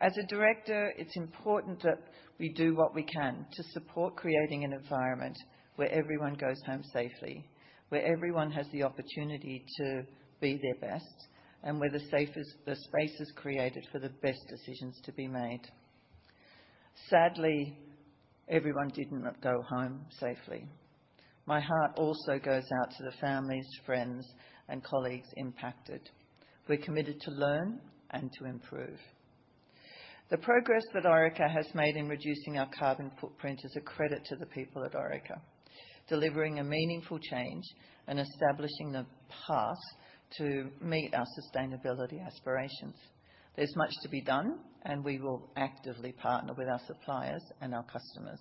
As a director, it's important that we do what we can to support creating an environment where everyone goes home safely, where everyone has the opportunity to be their best, and where the space is created for the best decisions to be made. Sadly, everyone did not go home safely. My heart also goes out to the families, friends, and colleagues impacted. We're committed to learn and to improve. The progress that Orica has made in reducing our carbon footprint is a credit to the people at Orica, delivering a meaningful change and establishing the path to meet our sustainability aspirations. There's much to be done. We will actively partner with our suppliers and our customers.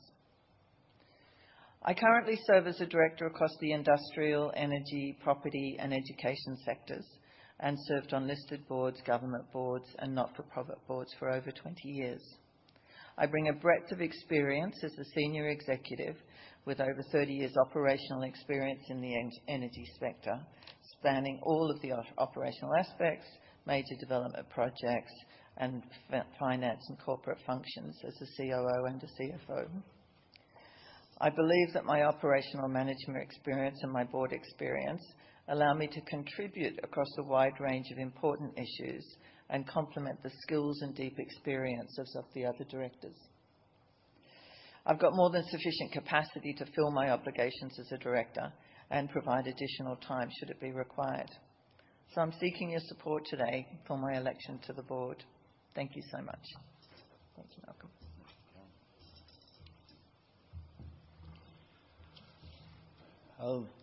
I currently serve as a director across the industrial, energy, property, and education sectors served on listed boards, government boards, and not-for-profit boards for over 20 years. I bring a breadth of experience as a senior executive with over 30 years operational experience in the energy sector, spanning all of the operational aspects, major development projects, and finance and corporate functions as a COO and a CFO. I believe that my operational management experience and my board experience allow me to contribute across a wide range of important issues and complement the skills and deep experiences of the other directors. I've got more than sufficient capacity to fill my obligations as a director and provide additional time should it be required. I'm seeking your support today for my election to the board. Thank you so much. Thanks, Malcolm.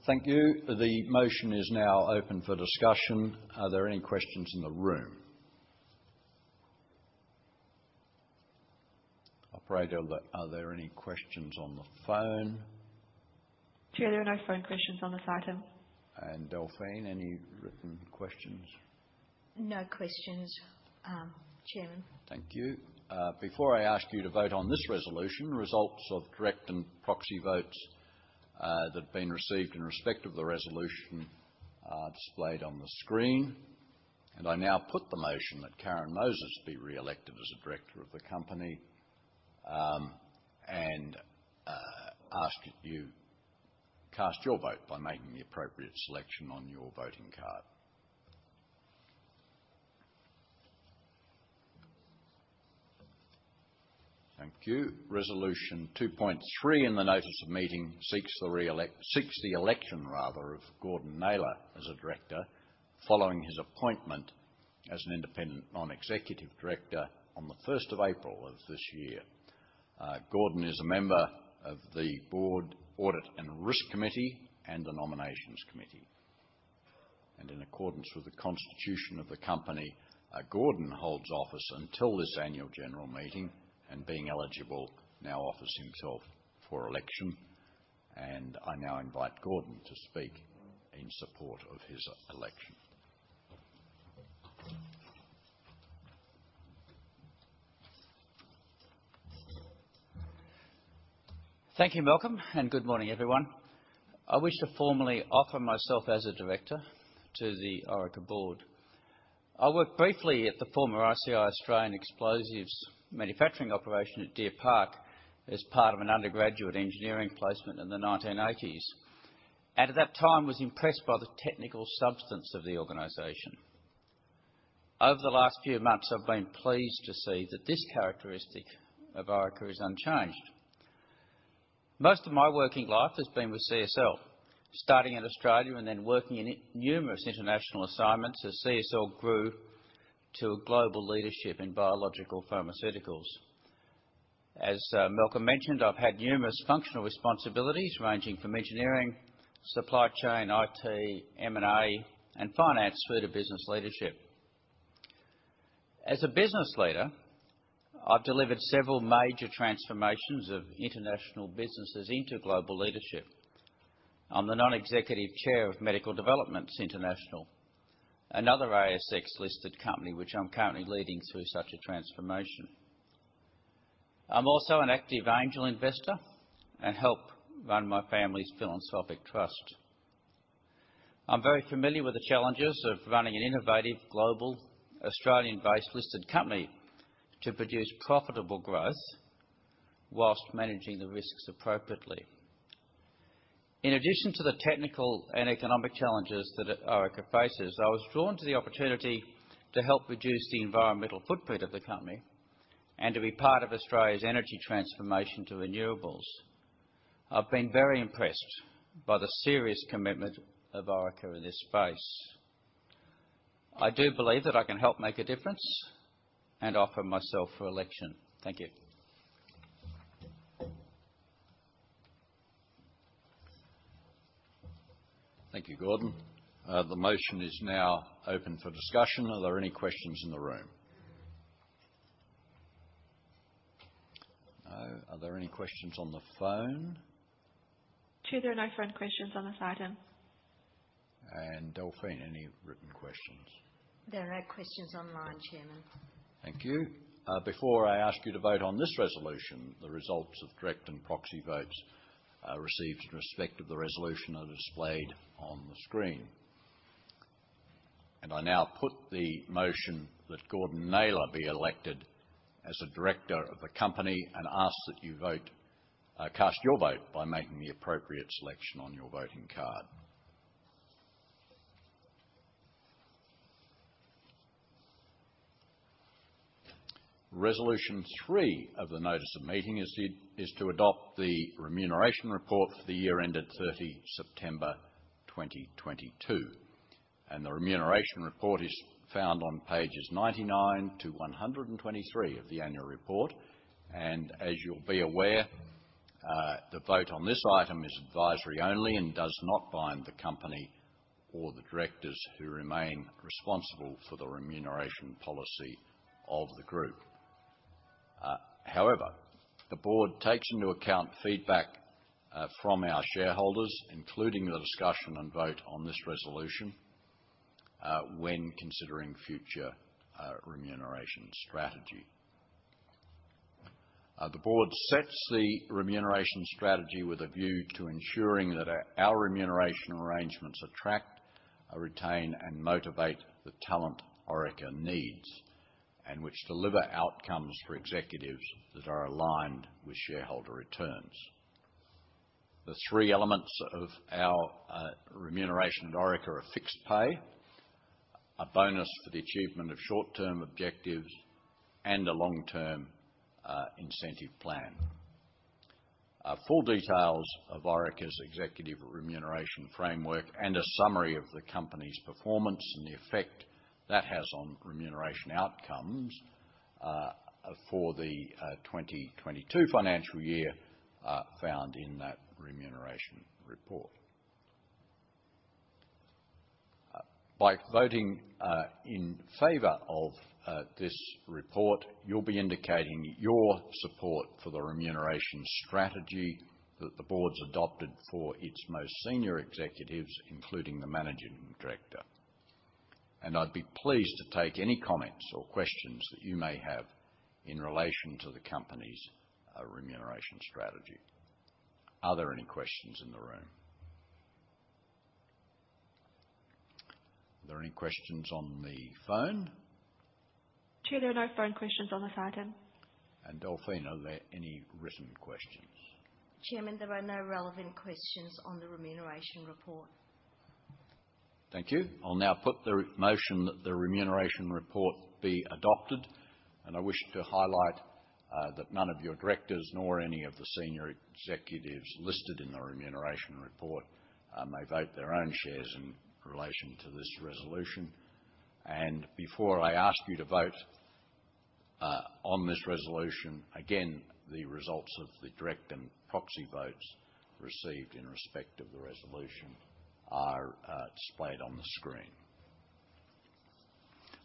Thank you. The motion is now open for discussion. Are there any questions in the room? Operator, are there any questions on the phone? Chair, there are no phone questions on this item. Delphine, any written questions? No questions, Chairman. Thank you. Before I ask you to vote on this resolution, results of direct and proxy votes that have been received in respect of the resolution are displayed on the screen. I now put the motion that Karen Moses be reelected as a director of the company, and ask you cast your vote by making the appropriate selection on your voting card. Thank you. Resolution 2.3 in the notice of meeting seeks the election rather of Gordon Naylor as a director following his appointment as an independent Non-Executive Director on the 1st of April of this year. Gordon is a member of the Board Audit and Risk Committee and the Nominations Committee. In accordance with the constitution of the company, Gordon holds office until this annual general meeting, and being eligible now offers himself for election. I now invite Gordon to speak in support of his election. Thank you, Malcolm. Good morning everyone. I wish to formally offer myself as a director to the Orica board. I worked briefly at the former ICI Australian Explosives manufacturing operation at Deer Park as part of an undergraduate engineering placement in the 1980s. At that time, was impressed by the technical substance of the organization. Over the last few months, I've been pleased to see that this characteristic of Orica is unchanged. Most of my working life has been with CSL, starting in Australia and then working in numerous international assignments as CSL grew to a global leadership in biological pharmaceuticals. As Malcolm mentioned, I've had numerous functional responsibilities ranging from engineering, supply chain, IT, M&A, and finance through to business leadership. As a business leader, I've delivered several major transformations of international businesses into global leadership. I'm the non-executive chair of Medical Developments International, another ASX-listed company, which I'm currently leading through such a transformation. I'm also an active angel investor and help run my family's philanthropic trust. I'm very familiar with the challenges of running an innovative, global, Australian-based listed company to produce profitable growth whilst managing the risks appropriately. In addition to the technical and economic challenges that Orica faces, I was drawn to the opportunity to help reduce the environmental footprint of the company and to be part of Australia's energy transformation to renewables. I've been very impressed by the serious commitment of Orica in this space. I do believe that I can help make a difference and offer myself for election. Thank you. Thank you, Gordon. The motion is now open for discussion. Are there any questions in the room? No. Are there any questions on the phone? Chair, there are no phone questions on this item. Delphine, any written questions? There are no questions online, Chairman. Thank you. Before I ask you to vote on this resolution, the results of direct and proxy votes received in respect of the resolution are displayed on the screen. I now put the motion that Gordon Naylor be elected as a director of the company and ask that you cast your vote by making the appropriate selection on your voting card. Resolution 3 of the notice of meeting is to adopt the remuneration report for the year ended 30 September 2022, and the remuneration report is found on pages 99 to 123 of the annual report. As you'll be aware, the vote on this item is advisory only and does not bind the company or the directors who remain responsible for the remuneration policy of the Group. However, the board takes into account feedback from our shareholders, including the discussion and vote on this resolution when considering future remuneration strategy. The board sets the remuneration strategy with a view to ensuring that our remuneration arrangements attract, retain and motivate the talent Orica needs and which deliver outcomes for executives that are aligned with shareholder returns. The three elements of our remuneration at Orica are fixed pay, a bonus for the achievement of short-term objectives, and a long-term incentive plan. Full details of Orica's executive remuneration framework and a summary of the company's performance and the effect that has on remuneration outcomes for the 2022 financial year are found in that remuneration report. By voting in favor of this report, you'll be indicating your support for the remuneration strategy that the board's adopted for its most senior executives, including the managing director. I'd be pleased to take any comments or questions that you may have in relation to the company's remuneration strategy. Are there any questions in the room? Are there any questions on the phone? Chair, there are no phone questions on this item. Delphine, are there any written questions? Chairman, there are no relevant questions on the remuneration report. Thank you. I'll now put the motion that the remuneration report be adopted. I wish to highlight that none of your directors nor any of the senior executives listed in the remuneration report may vote their own shares in relation to this resolution. Before I ask you to vote on this resolution, again, the results of the direct and proxy votes received in respect of the resolution are displayed on the screen.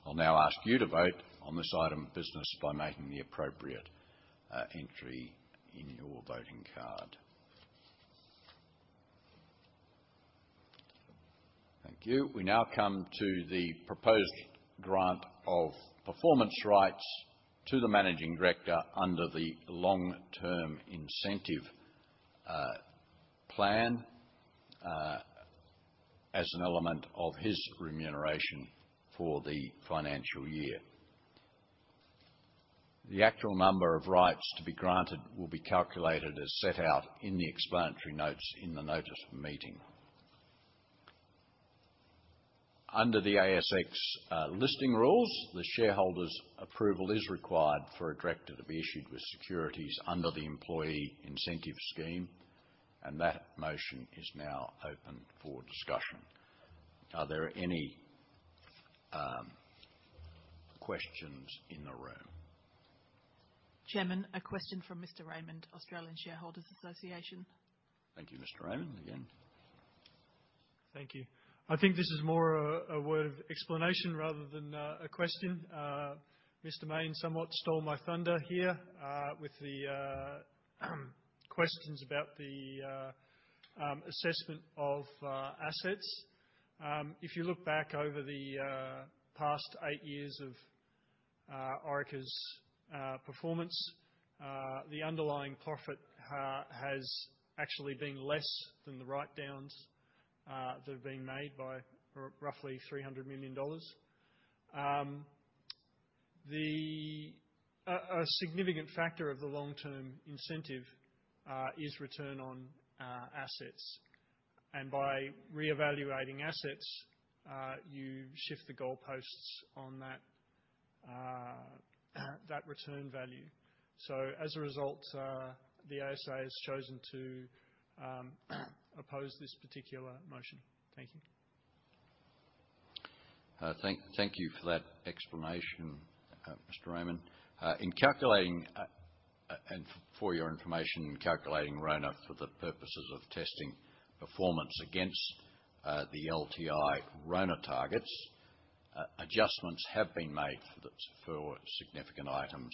I'll now ask you to vote on this item of business by making the appropriate entry in your voting card. Thank you. We now come to the proposed grant of performance rights to the managing director under the long-term incentive plan as an element of his remuneration for the financial year. The actual number of rights to be granted will be calculated as set out in the explanatory notes in the notice of meeting. Under the ASX listing rules, the shareholders approval is required for a director to be issued with securities under the employee incentive scheme. That motion is now open for discussion. Are there any questions in the room? Chairman, a question from Mr. Raymond, Australian Shareholders' Association. Thank you. Mr. Raymond, again. Thank you. I think this is more a word of explanation rather than a question. Mr. Mayne somewhat stole my thunder here with the questions about the assessment of assets. If you look back over the past 8 years of Orica's performance, the underlying profit has actually been less than the write-downs that have been made by roughly 300 million dollars. A significant factor of the LTI is return on assets. By reevaluating assets, you shift the goalposts on that return value. As a result, the ASA has chosen to oppose this particular motion. Thank you. Thank you for that explanation, Mr. Raymond. In calculating, for your information, in calculating RONA for the purposes of testing performance against the LTI RONA targets, adjustments have been made for significant items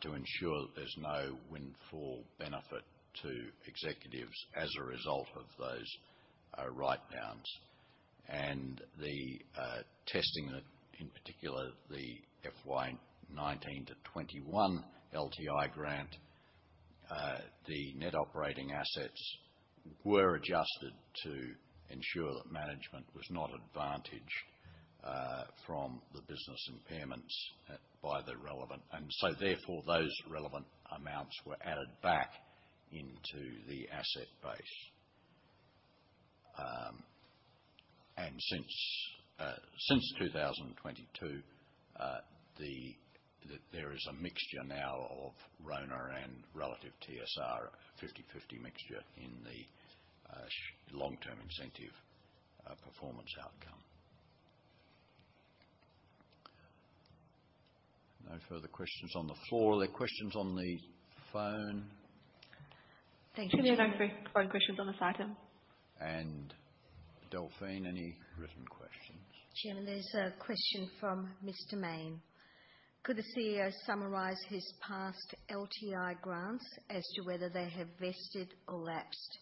to ensure that there's no windfall benefit to executives as a result of those write-downs. The testing, in particular, the FY 2019-2021 LTI grant, the net operating assets were adjusted to ensure that management was not advantaged from the business impairments by the relevant. Therefore, those relevant amounts were added back into the asset base. Since 2022, there is a mixture now of RONA and relative TSR, 50/50 mixture in the long-term incentive performance outcome. No further questions on the floor. Are there questions on the phone? Thank you. There are no further questions on this item. Delphine, any written questions? Chairman, there's a question from Mr. Mayne. Could the CEO summarize his past LTI grants as to whether they have vested or lapsed?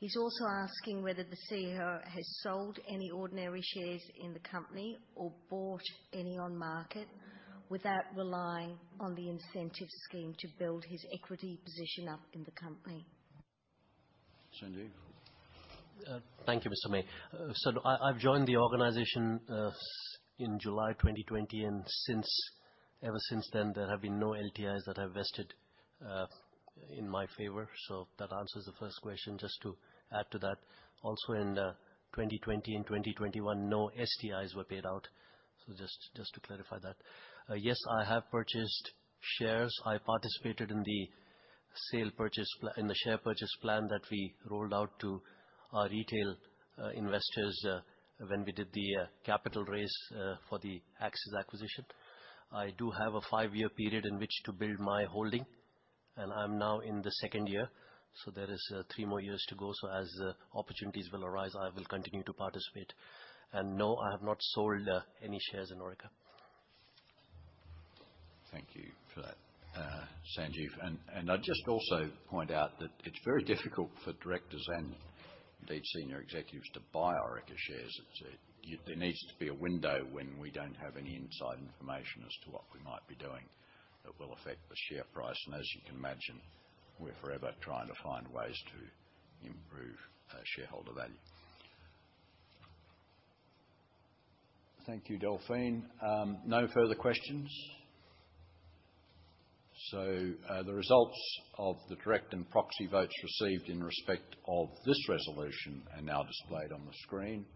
He's also asking whether the CEO has sold any ordinary shares in the company or bought any on market without relying on the incentive scheme to build his equity position up in the company. Sanjeev? Thank you, Mr. Mayne. I've joined the organization in July 2020, ever since then, there have been no LTIs that have vested in my favor. That answers the first question. Just to add to that, also in 2020 and 2021, no STIs were paid out. Just to clarify that. Yes, I have purchased shares. I participated in the share purchase plan that we rolled out to our retail investors when we did the capital raise for the Axis acquisition. I do have a five-year period in which to build my holding, and I'm now in the second year, there is three more years to go. As opportunities will arise, I will continue to participate. No, I have not sold any shares in Orica. Thank you for that, Sanjeev. I'd just also point out that it's very difficult for directors and indeed senior executives to buy Orica shares. There needs to be a window when we don't have any inside information as to what we might be doing that will affect the share price. As you can imagine, we're forever trying to find ways to improve shareholder value. Thank you, Delphine. No further questions. The results of the direct and proxy votes received in respect of this resolution are now displayed on the screen.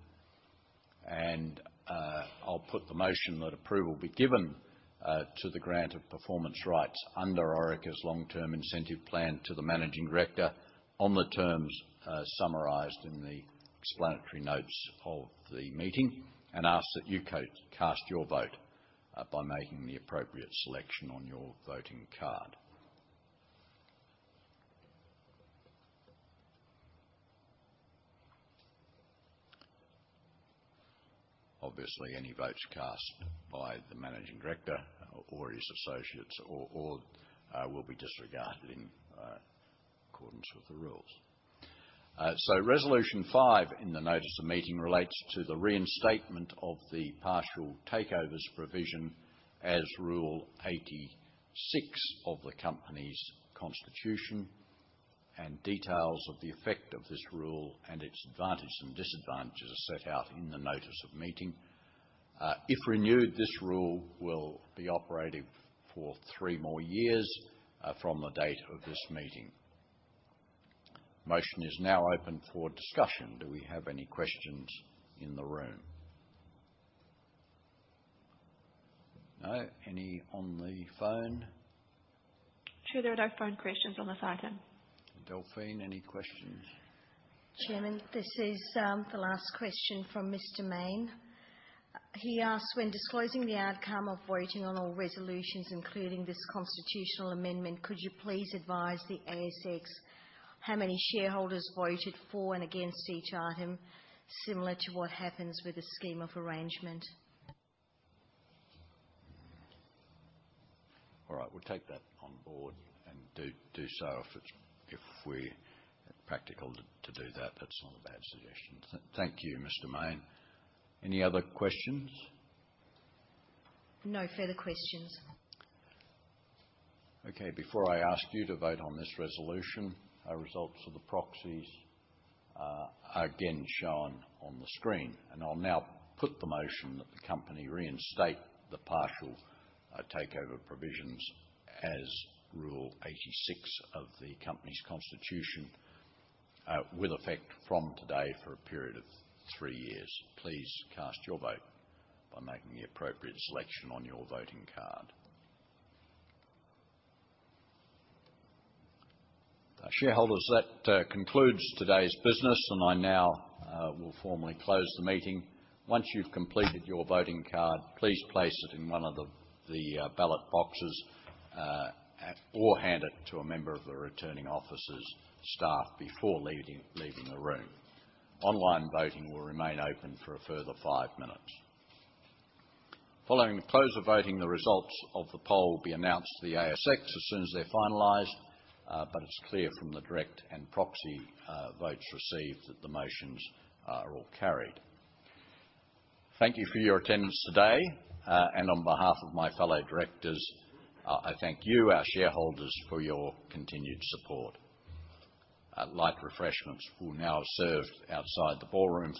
I'll put the motion that approval be given to the grant of performance rights under Orica's Long Term Incentive Plan to the managing director on the terms summarized in the explanatory notes of the meeting. Ask that you cast your vote by making the appropriate selection on your voting card. Obviously, any votes cast by the managing director or his associates or will be disregarded in accordance with the rules. Resolution 5 in the notice of meeting relates to the reinstatement of the partial takeovers provision as Rule 86 of the company's constitution, and details of the effect of this rule and its advantage and disadvantages are set out in the notice of meeting. If renewed, this rule will be operative for 3 more years from the date of this meeting. Motion is now open for discussion. Do we have any questions in the room? No. Any on the phone? Sure. There are no phone questions on this item. Delphine, any questions? Chairman, this is the last question from Mr. Mayne. He asks, "When disclosing the outcome of voting on all resolutions, including this constitutional amendment, could you please advise the ASX how many shareholders voted for and against each item, similar to what happens with a scheme of arrangement? All right. We'll take that on board and do so if we're practical to do that. That's not a bad suggestion. Thank you, Mr. Mayne. Any other questions? No further questions. Okay. Before I ask you to vote on this resolution, our results of the proxies are again shown on the screen. I'll now put the motion that the company reinstate the partial takeover provisions as Rule 86 of the company's constitution, with effect from today for a period of 3 years. Please cast your vote by making the appropriate selection on your voting card. Shareholders, that concludes today's business, I now will formally close the meeting. Once you've completed your voting card, please place it in one of the ballot boxes at or hand it to a member of the returning officer's staff before leaving the room. Online voting will remain open for a further 5 minutes. Following the close of voting, the results of the poll will be announced to the ASX as soon as they're finalized, but it's clear from the direct and proxy votes received that the motions are all carried. Thank you for your attendance today, and on behalf of my fellow directors, I thank you, our shareholders, for your continued support. Light refreshments will now serve outside the ballroom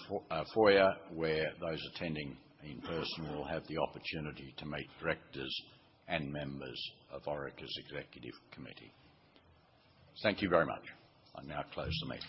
foyer, where those attending in person will have the opportunity to meet directors and members of Orica's executive committee. Thank you very much. I now close the meeting.